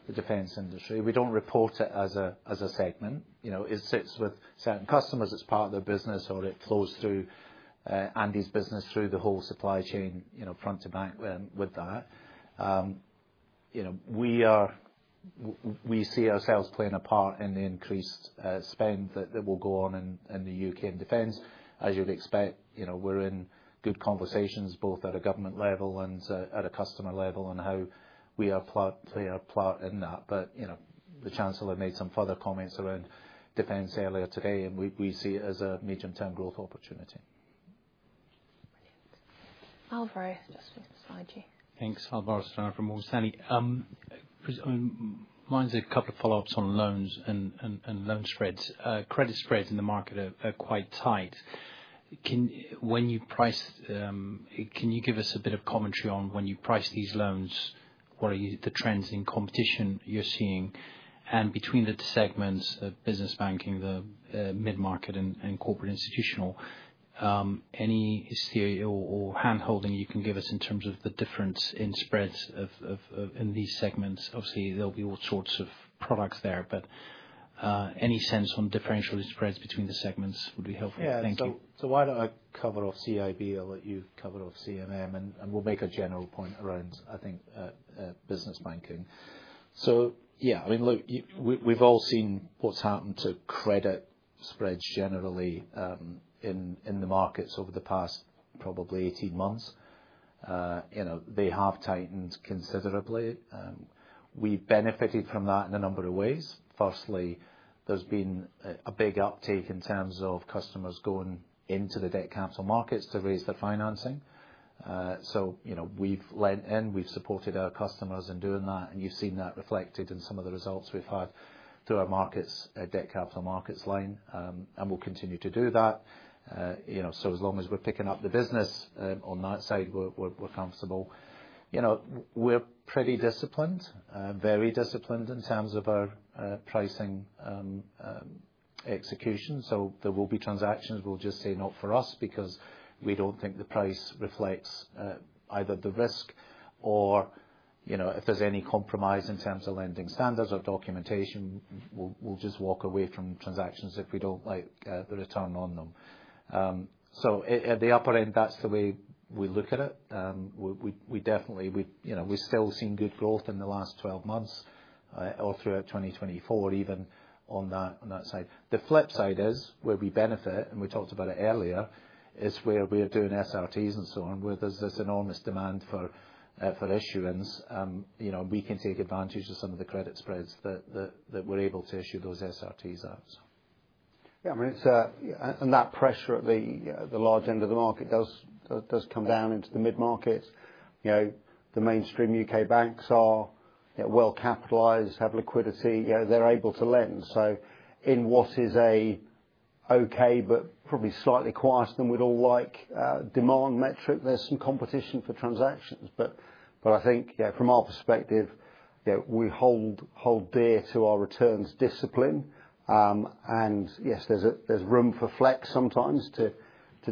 S3: the defense industry. We don't report it as a segment. It sits with certain customers. It's part of their business, or it flows through Andy's business through the whole supply chain front to back with that. We see ourselves playing a part in the increased spend that will go on in the U.K. and defense. As you'd expect, we're in good conversations both at a government level and at a customer level on how we are plotting that. But the Chancellor made some further comments around defense earlier today, and we see it as a medium-term growth opportunity.
S1: Alvarez, just beside you.
S11: Thanks. Alvarez from Morgan Stanley. Mine's a couple of follow-ups on loans and loan spreads. Credit spreads in the market are quite tight. When you price, can you give us a bit of commentary on when you price these loans, what are the trends in competition you're seeing? And between the two segments, the business banking, the mid-market, and corporate institutional, any steer or handholding you can give us in terms of the difference in spreads in these segments? Obviously, there'll be all sorts of products there, but any sense on differential spreads between the segments would be helpful. Thank you.
S3: So why don't I cover off CIB? I'll let you cover off CMM, and we'll make a general point around, I think, business banking. So yeah, I mean, look, we've all seen what's happened to credit spreads generally in the markets over the past probably 18 months. They have tightened considerably. We've benefited from that in a number of ways. Firstly, there's been a big uptake in terms of customers going into the debt capital markets to raise their financing. So we've leaned in. We've supported our customers in doing that, and you've seen that reflected in some of the results we've had through our markets, debt capital markets line, and we'll continue to do that. So as long as we're picking up the business on that side, we're comfortable. We're pretty disciplined, very disciplined in terms of our pricing execution. So there will be transactions we'll just say not for us because we don't think the price reflects either the risk or if there's any compromise in terms of lending standards or documentation, we'll just walk away from transactions if we don't like the return on them. So at the upper end, that's the way we look at it. We definitely would, we've still seen good growth in the last 12 months or throughout 2024, even on that side. The flip side is where we benefit, and we talked about it earlier, is where we're doing SRTs and so on, where there's this enormous demand for issuance. We can take advantage of some of the credit spreads that we're able to issue those SRTs at.
S4: Yeah, I mean, and that pressure at the large end of the market does come down into the mid-markets. The mainstream U.K. banks are well capitalized, have liquidity. They're able to lend. So in what is an okay but probably slightly quieter than we'd all like demand metric, there's some competition for transactions. But I think, yeah, from our perspective, we hold dear to our returns discipline. And yes, there's room for flex sometimes to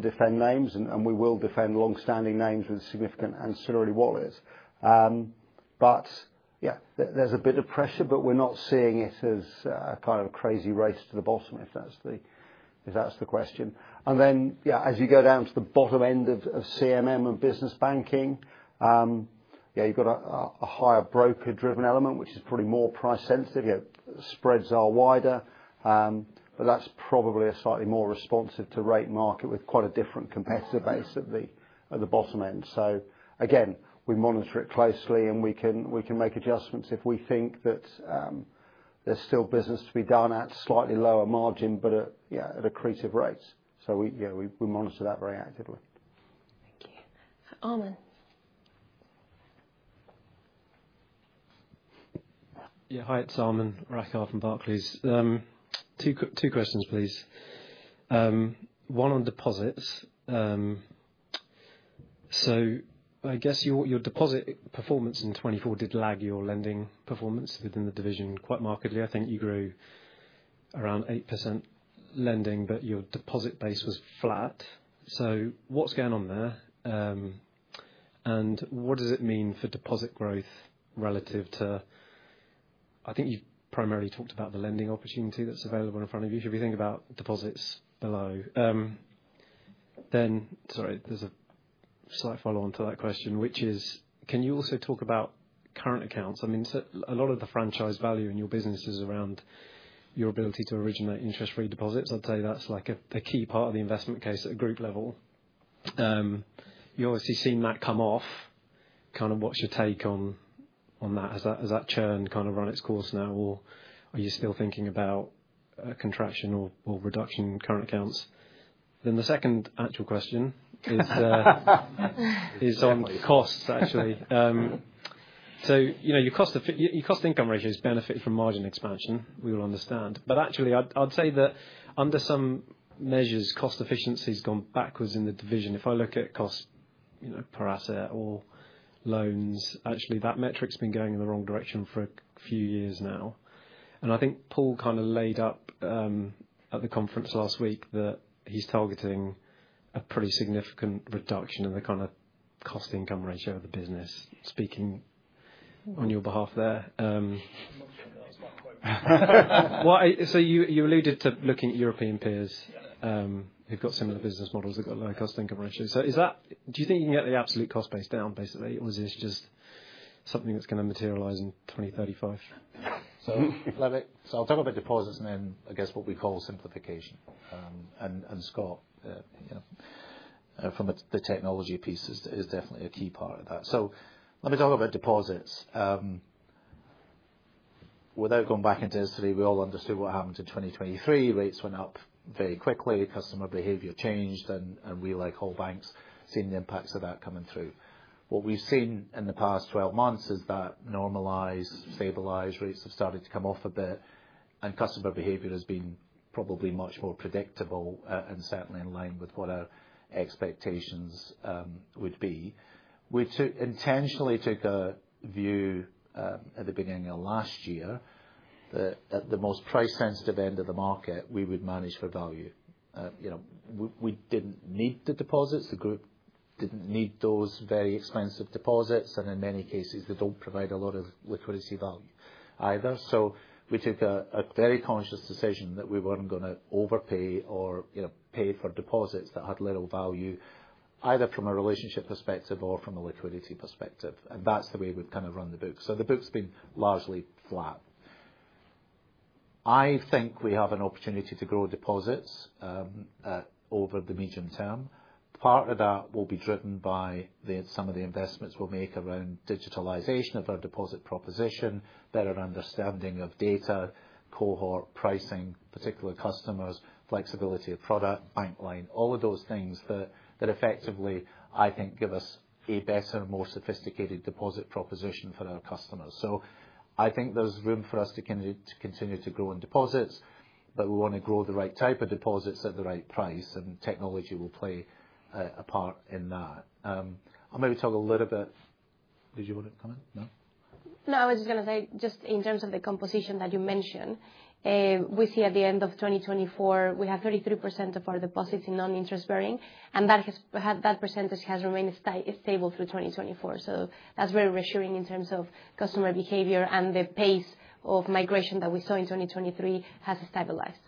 S4: defend names, and we will defend long-standing names with significant ancillary wallets. But yeah, there's a bit of pressure, but we're not seeing it as a kind of crazy race to the bottom if that's the question. And then, yeah, as you go down to the bottom end of CMM and business banking, yeah, you've got a higher broker-driven element, which is probably more price sensitive. Spreads are wider, but that's probably a slightly more responsive to rate market with quite a different competitor base at the bottom end. So again, we monitor it closely, and we can make adjustments if we think that there's still business to be done at slightly lower margin, but at accretive rates. So yeah, we monitor that very actively.
S1: Thank you. Armin.
S12: Yeah, hi. It's Aman Rakkar from Barclays. Two questions, please. One on deposits. I guess your deposit performance in 2024 did lag your lending performance within the division quite markedly. I think you grew around 8% lending, but your deposit base was flat. What's going on there? What does it mean for deposit growth relative to, I think you've primarily talked about the lending opportunity that's available in front of you if you think about deposits below. Sorry, there's a slight follow-on to that question, which is, can you also talk about current accounts? I mean, a lot of the franchise value in your business is around your ability to originate interest-free deposits. I'd say that's like a key part of the investment case at a group level. You've obviously seen that come off. Kind of what's your take on that? Has that turn kind of run its course now, or are you still thinking about a contraction or reduction in current accounts? Then the second actual question is on costs, actually. So your cost income ratio has benefited from margin expansion, we all understand. But actually, I'd say that under some measures, cost efficiency has gone backwards in the division. If I look at cost per asset or loans, actually, that metric's been going in the wrong direction for a few years now. And I think Paul kind of laid out at the conference last week that he's targeting a pretty significant reduction in the kind of cost income ratio of the business, speaking on your behalf there. So you alluded to looking at European peers who've got similar business models that've got lower cost income ratio. So do you think you can get the absolute cost base down, basically, or is this just something that's going to materialize in 2035?
S3: So I'll talk about deposits and then I guess what we call simplification. And Scott, from the technology piece, is definitely a key part of that. So let me talk about deposits. Without going back into history, we all understood what happened in 2023. Rates went up very quickly. Customer behavior changed, and we, like all banks, seeing the impacts of that coming through. What we've seen in the past 12 months is that normalized, stabilized rates have started to come off a bit, and customer behavior has been probably much more predictable and certainly in line with what our expectations would be. We intentionally took a view at the beginning of last year that at the most price-sensitive end of the market, we would manage for value. We didn't need the deposits. The group didn't need those very expensive deposits, and in many cases, they don't provide a lot of liquidity value either. So we took a very conscious decision that we weren't going to overpay or pay for deposits that had little value, either from a relationship perspective or from a liquidity perspective. And that's the way we've kind of run the book. So the book's been largely flat. I think we have an opportunity to grow deposits over the medium term. Part of that will be driven by some of the investments we'll make around digitalization of our deposit proposition, better understanding of data, cohort pricing, particular customers, flexibility of product, bank line, all of those things that effectively, I think, give us a better, more sophisticated deposit proposition for our customers. So I think there's room for us to continue to grow in deposits, but we want to grow the right type of deposits at the right price, and technology will play a part in that. I'll maybe talk a little bit. Did you want to come in? No?
S8: No, I was just going to say, just in terms of the composition that you mentioned, we see at the end of 2024, we have 33% of our deposits in non-interest-bearing, and that percentage has remained stable through 2024. So that's very reassuring in terms of customer behavior, and the pace of migration that we saw in 2023 has stabilized.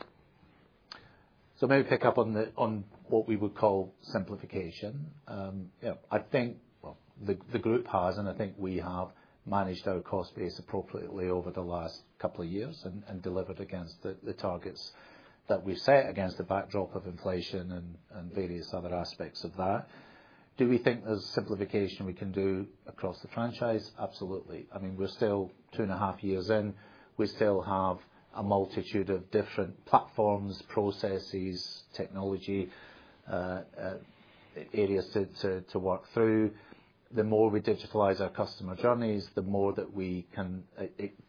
S4: So maybe pick up on what we would call simplification. I think, well, the group has, and I think we have managed our cost base appropriately over the last couple of years and delivered against the targets that we've set against the backdrop of inflation and various other aspects of that. Do we think there's simplification we can do across the franchise? Absolutely. I mean, we're still two and a half years in. We still have a multitude of different platforms, processes, technology areas to work through. The more we digitize our customer journeys, the more that we can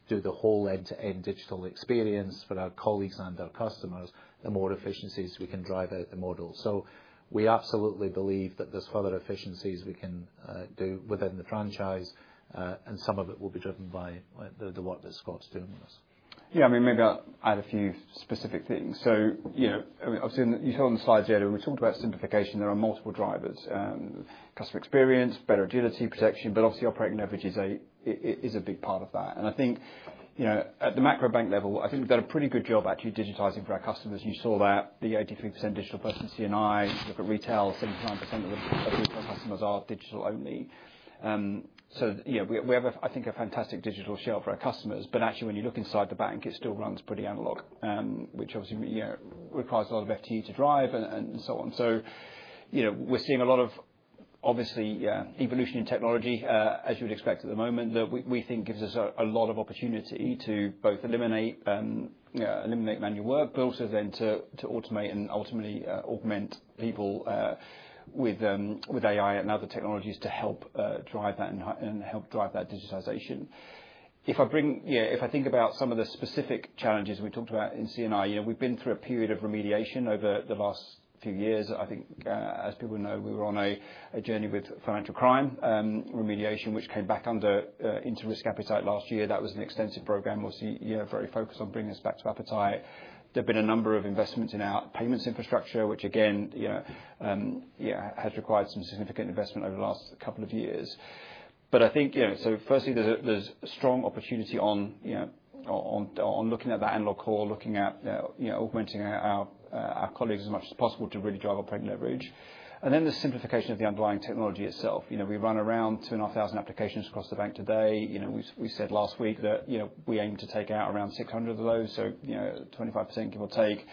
S4: do the whole end-to-end digital experience for our colleagues and our customers, the more efficiencies we can drive out the model. So we absolutely believe that there's further efficiencies we can do within the franchise, and some of it will be driven by the work that Scott's doing with us.
S13: Yeah, I mean, maybe I'll add a few specific things. So obviously, you saw on the slides earlier, we talked about simplification. There are multiple drivers: customer experience, better agility, protection, but obviously, operating leverage is a big part of that. And I think at the macro bank level, I think we've done a pretty good job actually digitizing for our customers. You saw that the 83% digital presence CNI, look at retail, 79% of the retail customers are digital only. So yeah, we have, I think, a fantastic digital shell for our customers, but actually, when you look inside the bank, it still runs pretty analog, which obviously requires a lot of FTE to drive and so on. We're seeing a lot of, obviously, evolution in technology, as you would expect at the moment, that we think gives us a lot of opportunity to both eliminate manual work, but also then to automate and ultimately augment people with AI and other technologies to help drive that and help drive that digitization. If I think about some of the specific challenges we talked about in CNI, we've been through a period of remediation over the last few years. I think, as people know, we were on a journey with financial crime remediation, which came back under risk appetite last year. That was an extensive program, obviously, very focused on bringing us back to appetite. There've been a number of investments in our payments infrastructure, which again, yeah, has required some significant investment over the last couple of years. But I think, so firstly, there's strong opportunity on looking at that analog call, looking at augmenting our colleagues as much as possible to really drive operating leverage. And then the simplification of the underlying technology itself. We run around 2,500 applications across the bank today. We said last week that we aim to take out around 600 of those. So 25%, give or take.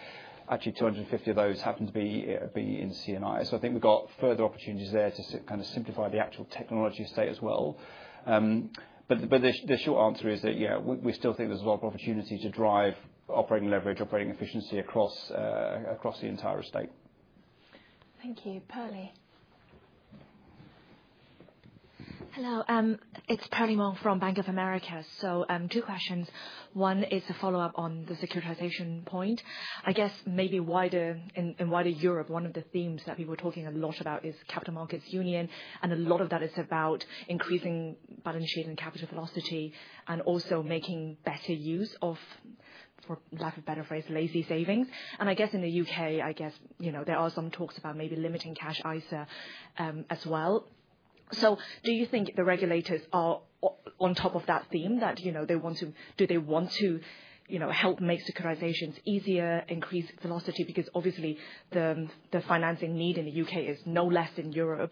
S13: Actually, 250 of those happen to be in CNI. So I think we've got further opportunities there to kind of simplify the actual technology estate as well. But the short answer is that, yeah, we still think there's a lot of opportunity to drive operating leverage, operating efficiency across the entire estate.
S1: Thank you. Paul.
S14: Hello. It's Paul Maughan from Bank of America. So two questions. One is a follow-up on the securitization point. I guess maybe in wider Europe, one of the themes that people are talking a lot about is capital markets union, and a lot of that is about increasing balance sheet and capital velocity and also making better use of, for lack of a better phrase, lazy savings, and I guess in the U.K., I guess there are some talks about maybe limiting cash ISA as well, so do you think the regulators are on top of that theme, that they want to, do they want to help make securitizations easier, increase velocity? Because obviously, the financing need in the U.K. is no less in Europe,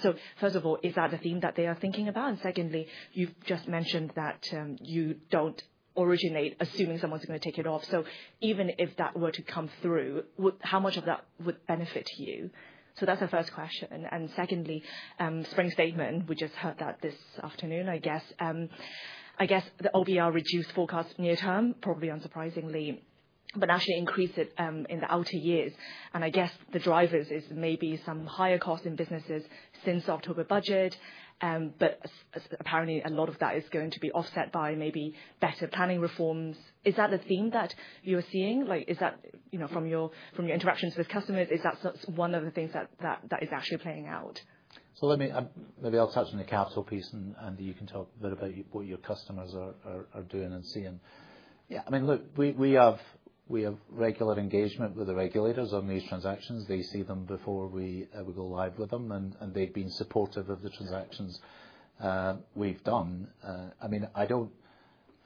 S14: so first of all, is that the theme that they are thinking about, and secondly, you've just mentioned that you don't originate assuming someone's going to take it off, so even if that were to come through, how much of that would benefit you? So that's our first question. And secondly, Spring Statement, we just heard that this afternoon, I guess. I guess the OBR reduced forecast near term, probably unsurprisingly, but actually increased it in the outer years. And I guess the drivers is maybe some higher cost in businesses since October Budget, but apparently a lot of that is going to be offset by maybe better planning reforms. Is that the theme that you're seeing? Is that from your interactions with customers? Is that one of the things that is actually playing out?
S3: So maybe I'll touch on the capital piece, and you can talk a bit about what your customers are doing and seeing. Yeah. I mean, look, we have regular engagement with the regulators on these transactions. They see them before we go live with them, and they've been supportive of the transactions we've done. I mean, I don't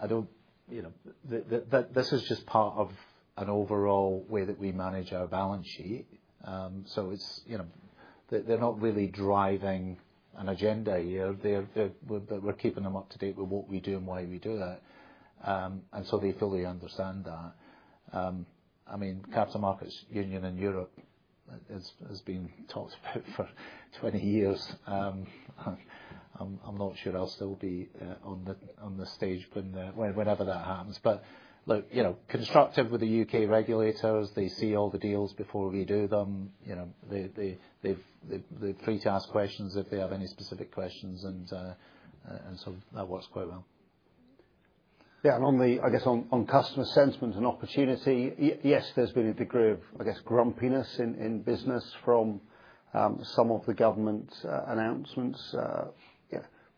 S3: think this is just part of an overall way that we manage our balance sheet. So they're not really driving an agenda here, but we're keeping them up to date with what we do and why we do that. And so they fully understand that. I mean, capital markets union in Europe has been talked about for 20 years. I'm not sure I'll still be on the stage whenever that happens. But look, constructive with the U.K. regulators. They see all the deals before we do them. They're free to ask questions if they have any specific questions, and so that works quite well.
S4: Yeah. And I guess on customer sentiment and opportunity, yes, there's been a degree of, I guess, grumpiness in business from some of the government announcements,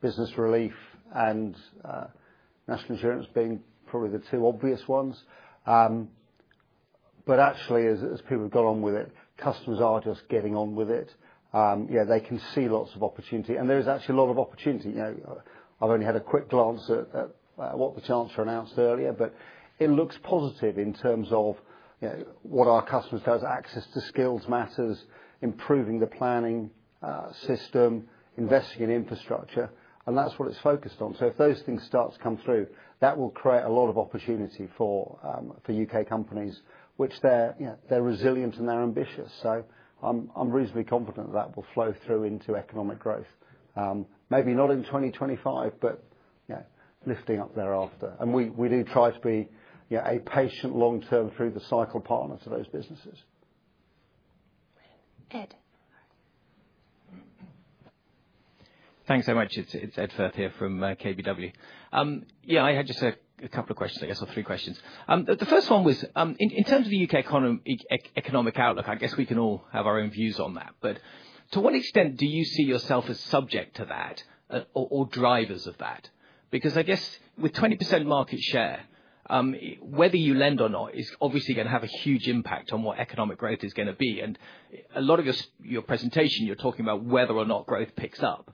S4: business relief, and national insurance being probably the two obvious ones. But actually, as people have gone on with it, customers are just getting on with it. Yeah, they can see lots of opportunity. And there is actually a lot of opportunity. I've only had a quick glance at what the chancellor announced earlier, but it looks positive in terms of what our customers does. Access to skills matters, improving the planning system, investing in infrastructure, and that's what it's focused on. So if those things start to come through, that will create a lot of opportunity for U.K. companies, which they're resilient and they're ambitious. So I'm reasonably confident that that will flow through into economic growth. Maybe not in 2025, but lifting up thereafter. And we do try to be a patient long-term through the cycle partners of those businesses.
S1: Ed.
S15: Thanks so much. It's Ed Firth here from KBW. Yeah, I had just a couple of questions, I guess, or three questions. The first one was, in terms of the U.K. economic outlook, I guess we can all have our own views on that, but to what extent do you see yourself as subject to that or drivers of that? Because I guess with 20% market share, whether you lend or not is obviously going to have a huge impact on what economic growth is going to be, and a lot of your presentation, you're talking about whether or not growth picks up,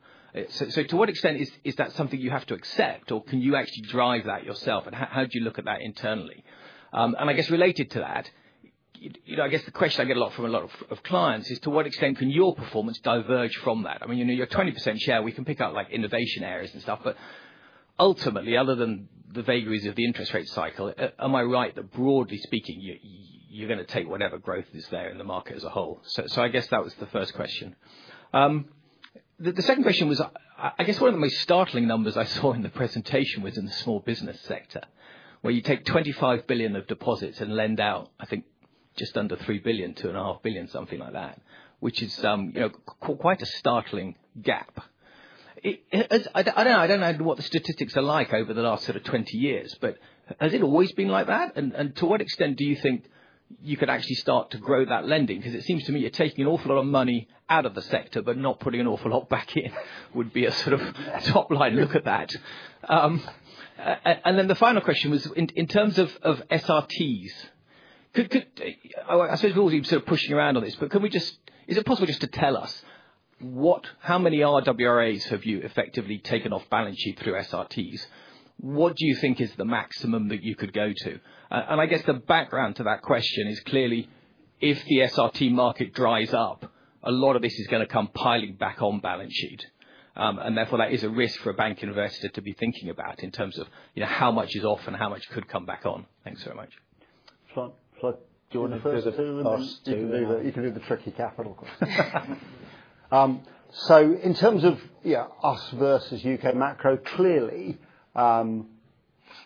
S15: so to what extent is that something you have to accept, or can you actually drive that yourself, and how do you look at that internally, and I guess related to that, I guess the question I get a lot from a lot of clients is, to what extent can your performance diverge from that? I mean, you're 20% share. We can pick out innovation areas and stuff, but ultimately, other than the vagaries of the interest rate cycle, am I right that broadly speaking, you're going to take whatever growth is there in the market as a whole? So I guess that was the first question. The second question was, I guess one of the most startling numbers I saw in the presentation was in the small business sector, where you take 25 billion of deposits and lend out, I think, just under 3 billion, 2.5 billion, something like that, which is quite a startling gap. I don't know what the statistics are like over the last sort of 20 years, but has it always been like that? And to what extent do you think you could actually start to grow that lending? Because it seems to me you're taking an awful lot of money out of the sector, but not putting an awful lot back in would be a sort of top-line look at that. And then the final question was, in terms of SRTs, I suppose we're all sort of pushing around on this, but can we just, is it possible just to tell us how many RWRAs have you effectively taken off balance sheet through SRTs? What do you think is the maximum that you could go to? And I guess the background to that question is clearly, if the SRT market dries up, a lot of this is going to come piling back on balance sheet. And therefore, that is a risk for a bank investor to be thinking about in terms of how much is off and how much could come back on. Thanks very much.
S3: Do you want to first? You can do the tricky capital.
S4: So in terms of U.S. versus U.K. macro, clearly,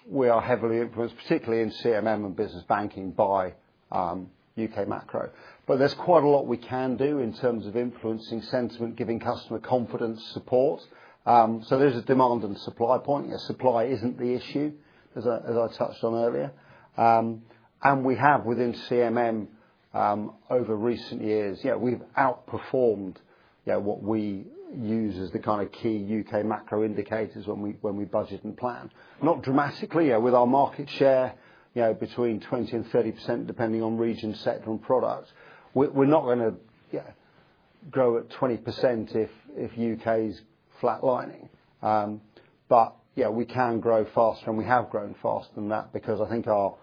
S4: we are heavily influenced, particularly in CMM and business banking, by U.K. macro. But there's quite a lot we can do in terms of influencing sentiment, giving customer confidence, support. So there's a demand and supply point. Supply isn't the issue, as I touched on earlier. And we have within CMM over recent years, yeah, we've outperformed what we use as the kind of key U.K. macro indicators when we budget and plan. Not dramatically. With our market share between 20%-30%, depending on region, sector, and product, we're not going to grow at 20% if U.K. is flatlining. But yeah, we can grow faster, and we have grown faster than that because I think our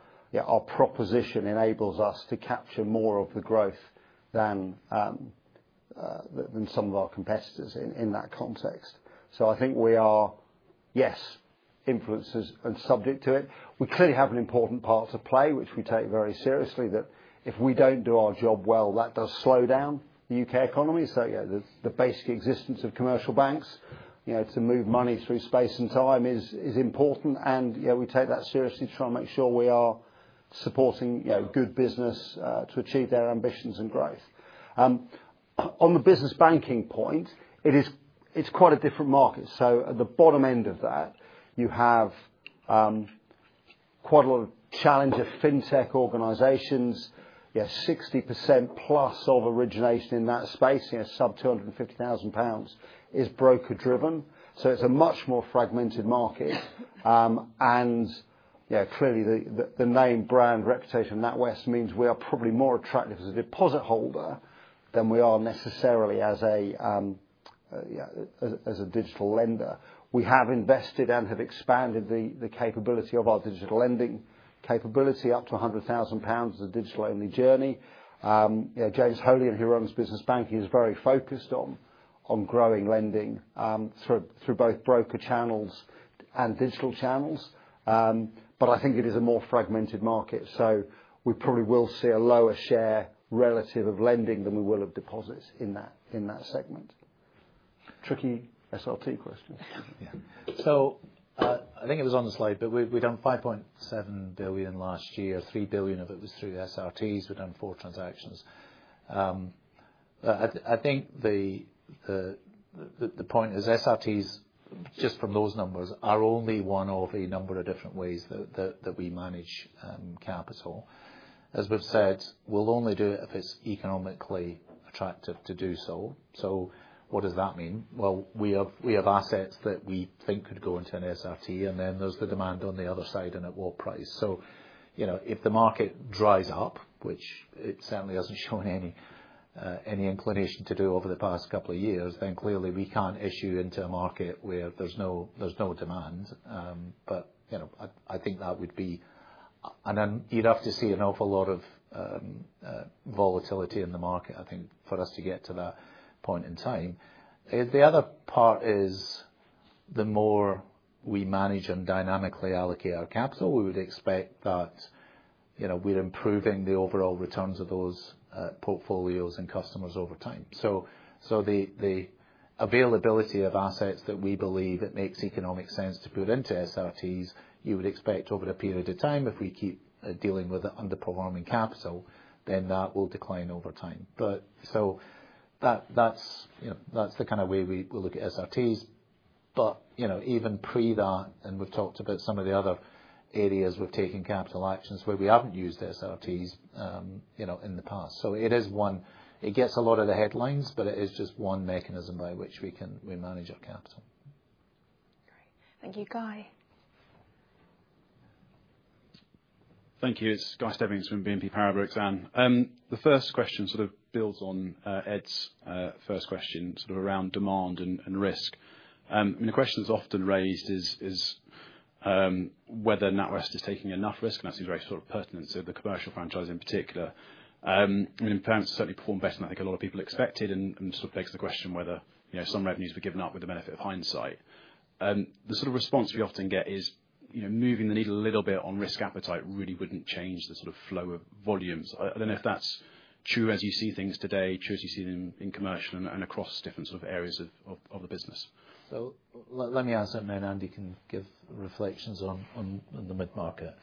S4: proposition enables us to capture more of the growth than some of our competitors in that context. So I think we are, yes, influencers and subject to it. We clearly have an important part to play, which we take very seriously, that if we don't do our job well, that does slow down the U.K. economy. So yeah, the basic existence of commercial banks to move money through space and time is important. And yeah, we take that seriously to try and make sure we are supporting good business to achieve their ambitions and growth. On the business banking point, it's quite a different market. So at the bottom end of that, you have quite a lot of challenger fintech organizations. Yeah, 60%+of origination in that space, sub 250,000 pounds, is broker-driven. So it's a much more fragmented market. And yeah, clearly, the name brand reputation that NatWest means we are probably more attractive as a deposit holder than we are necessarily as a digital lender. We have invested and have expanded the capability of our digital lending capability up to 100,000 pounds as a digital-only journey. James Holley, and he runs business banking, is very focused on growing lending through both broker channels and digital channels. But I think it is a more fragmented market. So we probably will see a lower share relative of lending than we will of deposits in that segment.
S15: Tricky SRT question.
S4: Yeah. So I think it was on the slide, but we've done 5.7 billion last year. 3 billion of it was through SRTs. We've done four transactions. I think the point is SRTs, just from those numbers, are only one of a number of different ways that we manage capital. As we've said, we'll only do it if it's economically attractive to do so. So what does that mean? Well, we have assets that we think could go into an SRT, and then there's the demand on the other side and at what price. So if the market dries up, which it certainly hasn't shown any inclination to do over the past couple of years, then clearly we can't issue into a market where there's no demand. But I think that would be and then you'd have to see an awful lot of volatility in the market, I think, for us to get to that point in time. The other part is the more we manage and dynamically allocate our capital, we would expect that we're improving the overall returns of those portfolios and customers over time, so the availability of assets that we believe it makes economic sense to put into SRTs, you would expect over a period of time, if we keep dealing with underperforming capital, then that will decline over time, so that's the kind of way we look at SRTs, but even pre that, and we've talked about some of the other areas we've taken capital actions where we haven't used SRTs in the past, so it is one, it gets a lot of the headlines, but it is just one mechanism by which we manage our capital.
S1: Great. Thank you, Guy.
S16: Thank you. It's Guy Stebbings from BNP Paribas, and the first question sort of builds on Ed's first question sort of around demand and risk. I mean, the question that's often raised is whether NatWest is taking enough risk, and that seems very sort of pertinent to the commercial franchise in particular. I mean, peers certainly performed better than I think a lot of people expected and sort of begs the question whether some revenues were given up with the benefit of hindsight. The sort of response we often get is moving the needle a little bit on risk appetite really wouldn't change the sort of flow of volumes. I don't know if that's true as you see things today, true as you see them in commercial and across different sort of areas of the business.
S3: So let me ask that, and then Andy can give reflections on the mid-market.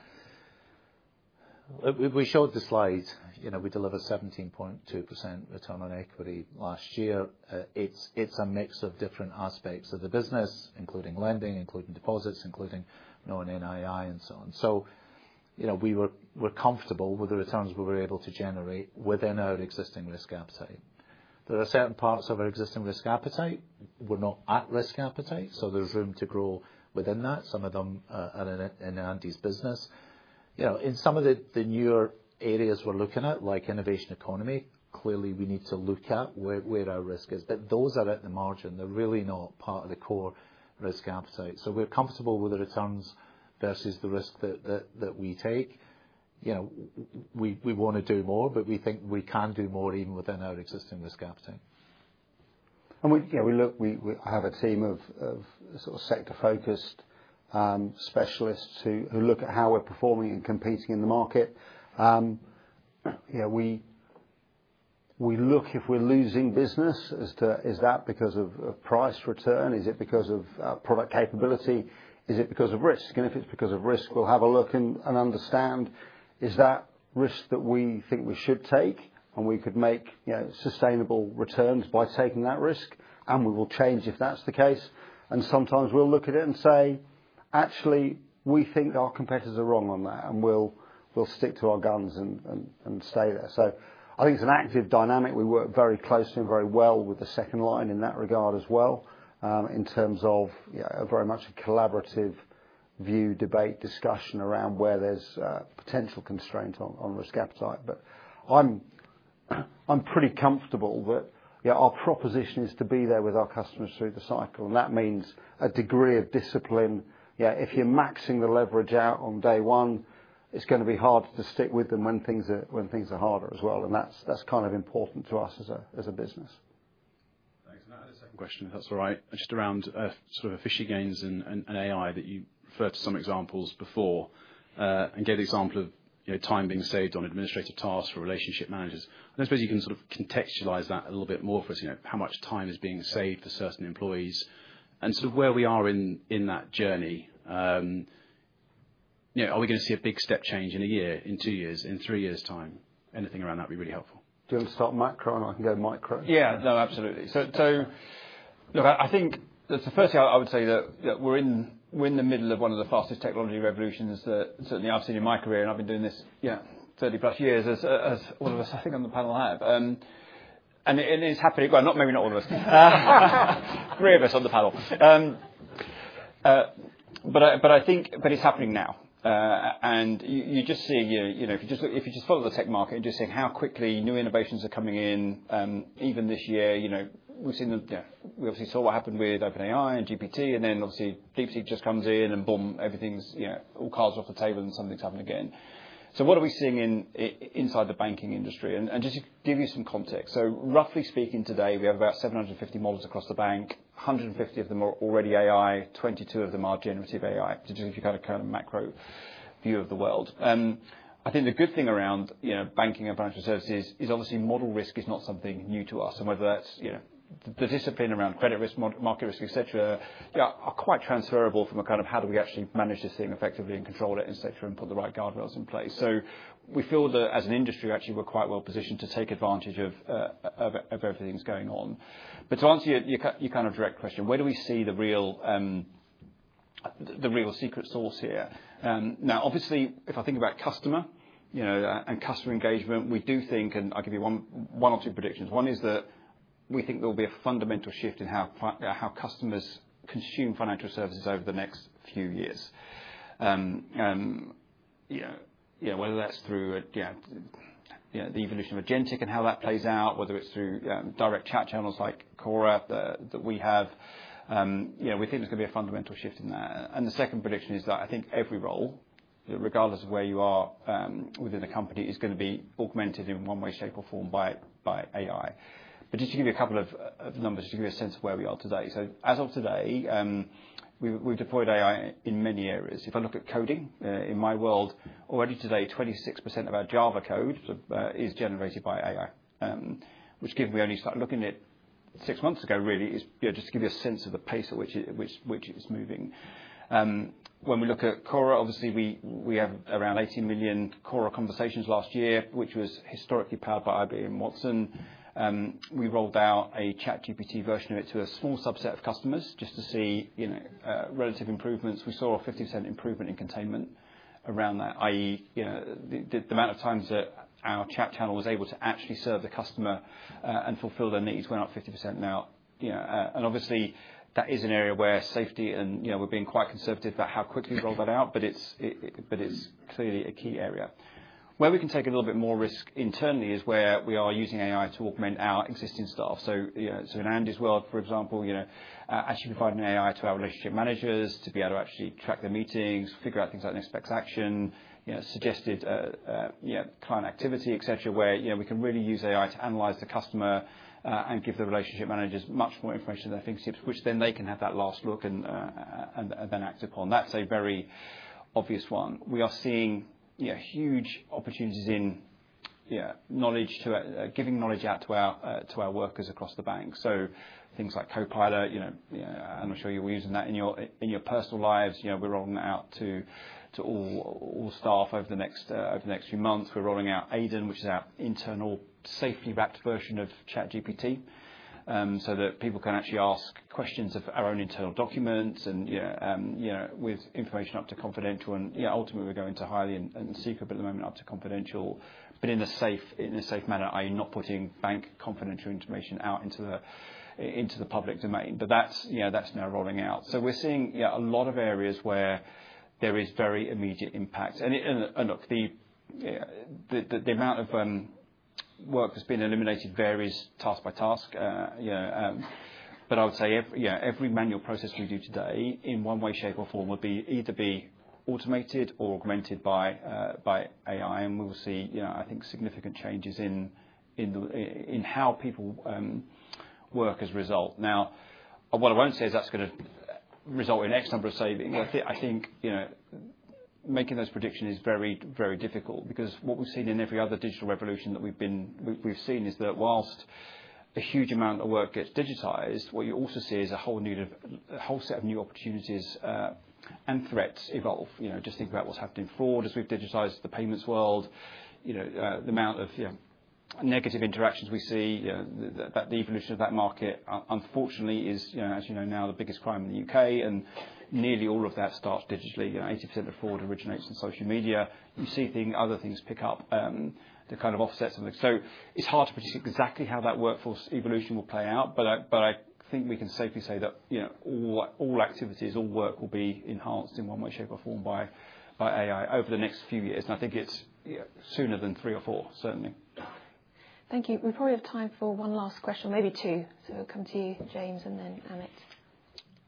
S3: We showed the slide. We delivered 17.2% return on equity last year. It's a mix of different aspects of the business, including lending, including deposits, including NII, and so on. So we were comfortable with the returns we were able to generate within our existing risk appetite. There are certain parts of our existing risk appetite we're not at risk appetite, so there's room to grow within that, some of them in Andy's business. In some of the newer areas we're looking at, like innovation economy, clearly we need to look at where our risk is. But those are at the margin. They're really not part of the core risk appetite. So we're comfortable with the returns versus the risk that we take. We want to do more, but we think we can do more even within our existing risk appetite.
S4: Yeah, we have a team of sort of sector-focused specialists who look at how we're performing and competing in the market. Yeah, we look if we're losing business. Is that because of price return? Is it because of product capability? Is it because of risk? If it's because of risk, we'll have a look and understand: is that risk that we think we should take and we could make sustainable returns by taking that risk? We will change if that's the case. Sometimes we'll look at it and say, actually, we think our competitors are wrong on that, and we'll stick to our guns and stay there. I think it's an active dynamic. We work very closely and very well with the second line in that regard as well, in terms of very much a collaborative view, debate, discussion around where there's potential constraint on risk appetite, but I'm pretty comfortable that our proposition is to be there with our customers through the cycle, and that means a degree of discipline. Yeah, if you're maxing the leverage out on day one, it's going to be hard to stick with them when things are harder as well, and that's kind of important to us as a business.
S16: Thanks, and I had a second question, if that's all right, just around sort of efficient gains and AI that you referred to some examples before and gave the example of time being saved on administrative tasks for relationship managers. I suppose you can sort of contextualize that a little bit more for us, how much time is being saved for certain employees and sort of where we are in that journey. Are we going to see a big step change in a year, in two years, in three years' time? Anything around that would be really helpful. Do you want to start macro? I can go micro.
S3: Yeah. No, absolutely, so look, I think the first thing I would say that we're in the middle of one of the fastest technology revolutions that certainly I've seen in my career, and I've been doing this 30+ years as all of us, I think, on the panel have, and it's happening, well, not maybe not all of us, three of us on the panel, but I think it's happening now. You just see if you just follow the tech market and just see how quickly new innovations are coming in. Even this year, we've seen them. We obviously saw what happened with OpenAI and GPT, and then obviously DeepSeek just comes in and boom, everything's all cards off the table and something's happening again. What are we seeing inside the banking industry? Just to give you some context, so roughly speaking today, we have about 750 models across the bank. 150 of them are already AI, 22 of them are generative AI, just to give you kind of a macro view of the world. I think the good thing around banking and financial services is obviously model risk is not something new to us. Whether that's the discipline around credit risk, market risk, etc., are quite transferable from a kind of how do we actually manage this thing effectively and control it, etc., and put the right guardrails in place. We feel that as an industry, actually, we're quite well positioned to take advantage of everything that's going on. To answer your kind of direct question, where do we see the real secret sauce here? Now, obviously, if I think about customer and customer engagement, we do think, and I'll give you one or two predictions. One is that we think there will be a fundamental shift in how customers consume financial services over the next few years. Yeah, whether that's through the evolution of Agentic and how that plays out, whether it's through direct chat channels like Cora that we have, we think there's going to be a fundamental shift in that, and the second prediction is that I think every role, regardless of where you are within the company, is going to be augmented in one way, shape, or form by AI, but just to give you a couple of numbers to give you a sense of where we are today, so as of today, we've deployed AI in many areas. If I look at coding, in my world, already today, 26% of our Java code is generated by AI, which given we only started looking at it six months ago, really, is just to give you a sense of the pace at which it's moving. When we look at Cora, obviously, we had around 80 million Cora conversations last year, which was historically powered by IBM Watson. We rolled out a ChatGPT version of it to a small subset of customers just to see relative improvements. We saw a 50% improvement in containment around that, i.e., the amount of times that our chat channel was able to actually serve the customer and fulfill their needs went up 50% now, and obviously, that is an area where safety, and we're being quite conservative about how quickly we roll that out, but it's clearly a key area. Where we can take a little bit more risk internally is where we are using AI to augment our existing staff. In Andy's world, for example, actually providing AI to our relationship managers to be able to actually track their meetings, figure out things like next best action, suggested client activity, etc., where we can really use AI to analyze the customer and give the relationship managers much more information than their fingertips, which then they can have that last look and then act upon. That's a very obvious one. We are seeing huge opportunities in knowledge, giving knowledge out to our workers across the bank. Things like Copilot, I'm sure you're using that in your personal lives. We're rolling it out to all staff over the next few months. We're rolling out Aiden, which is our internal safety-wrapped version of ChatGPT so that people can actually ask questions of our own internal documents and with information up to confidential. Ultimately, we're going to keep it highly confidential at the moment, but in a safe manner, i.e., not putting bank's confidential information out into the public domain, but that's now rolling out, so we're seeing a lot of areas where there is very immediate impact, and look, the amount of work that's been eliminated varies task by task, but I would say every manual process we do today in one way, shape, or form would either be automated or augmented by AI, and we will see, I think, significant changes in how people work as a result. Now, what I won't say is that's going to result in X number of savings. I think making those predictions is very, very difficult because what we've seen in every other digital revolution that we've seen is that while a huge amount of work gets digitized, what you also see is a whole set of new opportunities and threats evolve. Just think about what's happened in fraud as we've digitized the payments world, the amount of negative interactions we see, the evolution of that market, unfortunately, is, as you know now, the biggest crime in the U.K., and nearly all of that starts digitally. 80% of fraud originates in social media. You see other things pick up to kind of offset some of it, so it's hard to predict exactly how that workforce evolution will play out, but I think we can safely say that all activities, all work will be enhanced in one way, shape, or form by AI over the next few years. I think it's sooner than three or four, certainly.
S1: Thank you. We probably have time for one last question, maybe two. So we'll come to you, James, and then Amit.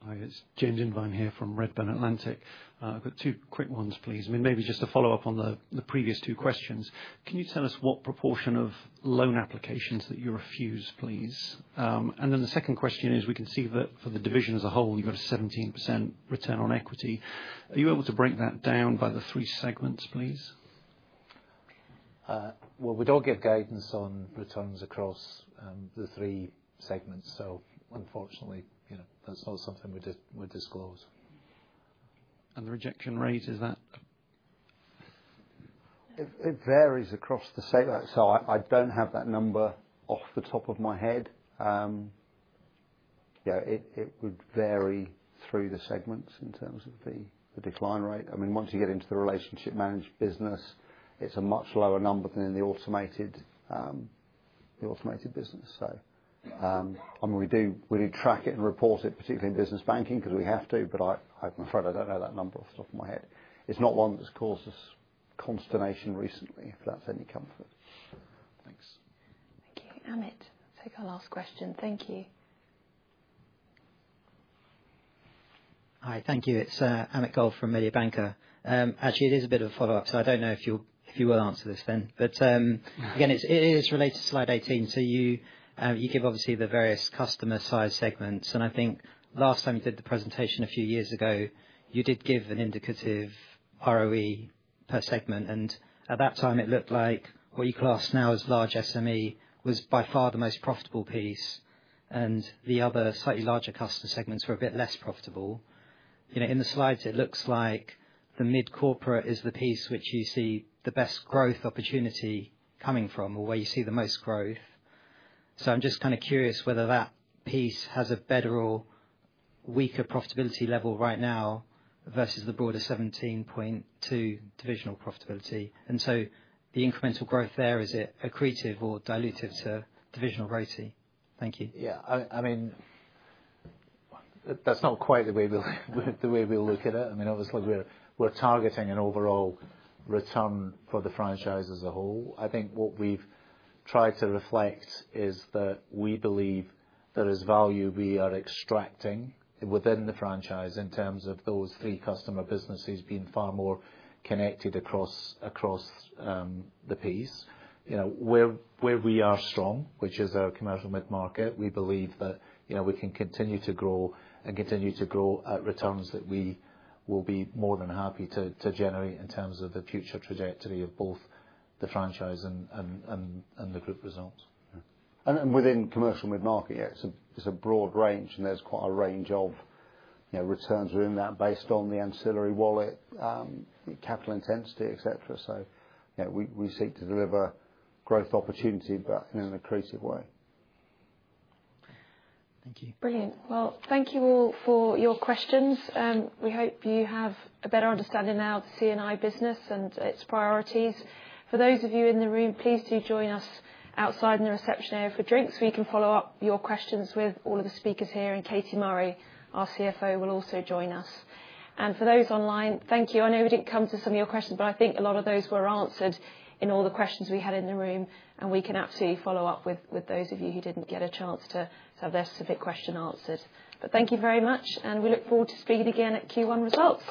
S17: Hi, it's James Irvine here from Redburn Atlantic. I've got two quick ones, please. I mean, maybe just to follow up on the previous two questions. Can you tell us what proportion of loan applications that you refuse, please? And then the second question is, we can see that for the division as a whole, you've got a 17% return on equity. Are you able to break that down by the three segments, please?
S3: Well, we don't give guidance on returns across the three segments. So unfortunately, that's not something we disclose.
S17: And the rejection rate, is that?
S4: It varies across the segments. So I don't have that number off the top of my head. Yeah, it would vary through the segments in terms of the decline rate. I mean, once you get into the relationship management business, it's a much lower number than in the automated business. So I mean, we do track it and report it, particularly in business banking, because we have to, but I'm afraid I don't know that number off the top of my head. It's not one that's caused us consternation recently, if that's any comfort.
S17: Thanks.
S1: Thank you. Amit, take our last question. Thank you.
S18: Hi, thank you. It's Amit Gold from Mediobanca. Actually, it is a bit of a follow-up, so I don't know if you will answer this then. But again, it is related to slide 18. So you give obviously the various customer-sized segments. And I think last time you did the presentation a few years ago, you did give an indicative ROE per segment. At that time, it looked like what you class now as large SME was by far the most profitable piece. The other slightly larger customer segments were a bit less profitable. In the slides, it looks like the mid-corporate is the piece which you see the best growth opportunity coming from or where you see the most growth. I'm just kind of curious whether that piece has a better or weaker profitability level right now versus the broader 17.2% divisional profitability. The incremental growth there, is it accretive or dilutive to divisional profitability? Thank you.
S3: Yeah. I mean, that's not quite the way we'll look at it. I mean, obviously, we're targeting an overall return for the franchise as a whole. I think what we've tried to reflect is that we believe there is value we are extracting within the franchise in terms of those three customer businesses being far more connected across the piece. Where we are strong, which is our commercial mid-market, we believe that we can continue to grow and continue to grow at returns that we will be more than happy to generate in terms of the future trajectory of both the franchise and the group results.
S4: And within commercial mid-market, it's a broad range, and there's quite a range of returns within that based on the ancillary wallet, capital intensity, etc. So we seek to deliver growth opportunity, but in an accretive way.
S18: Thank you.
S1: Brilliant. Well, thank you all for your questions. We hope you have a better understanding now of the CNI business and its priorities. For those of you in the room, please do join us outside in the reception area for drinks. We can follow up your questions with all of the speakers here. And Katie Murray, our CFO, will also join us. And for those online, thank you. I know we didn't come to some of your questions, but I think a lot of those were answered in all the questions we had in the room. And we can absolutely follow up with those of you who didn't get a chance to have their specific question answered. But thank you very much. And we look forward to speaking again at Q1 results.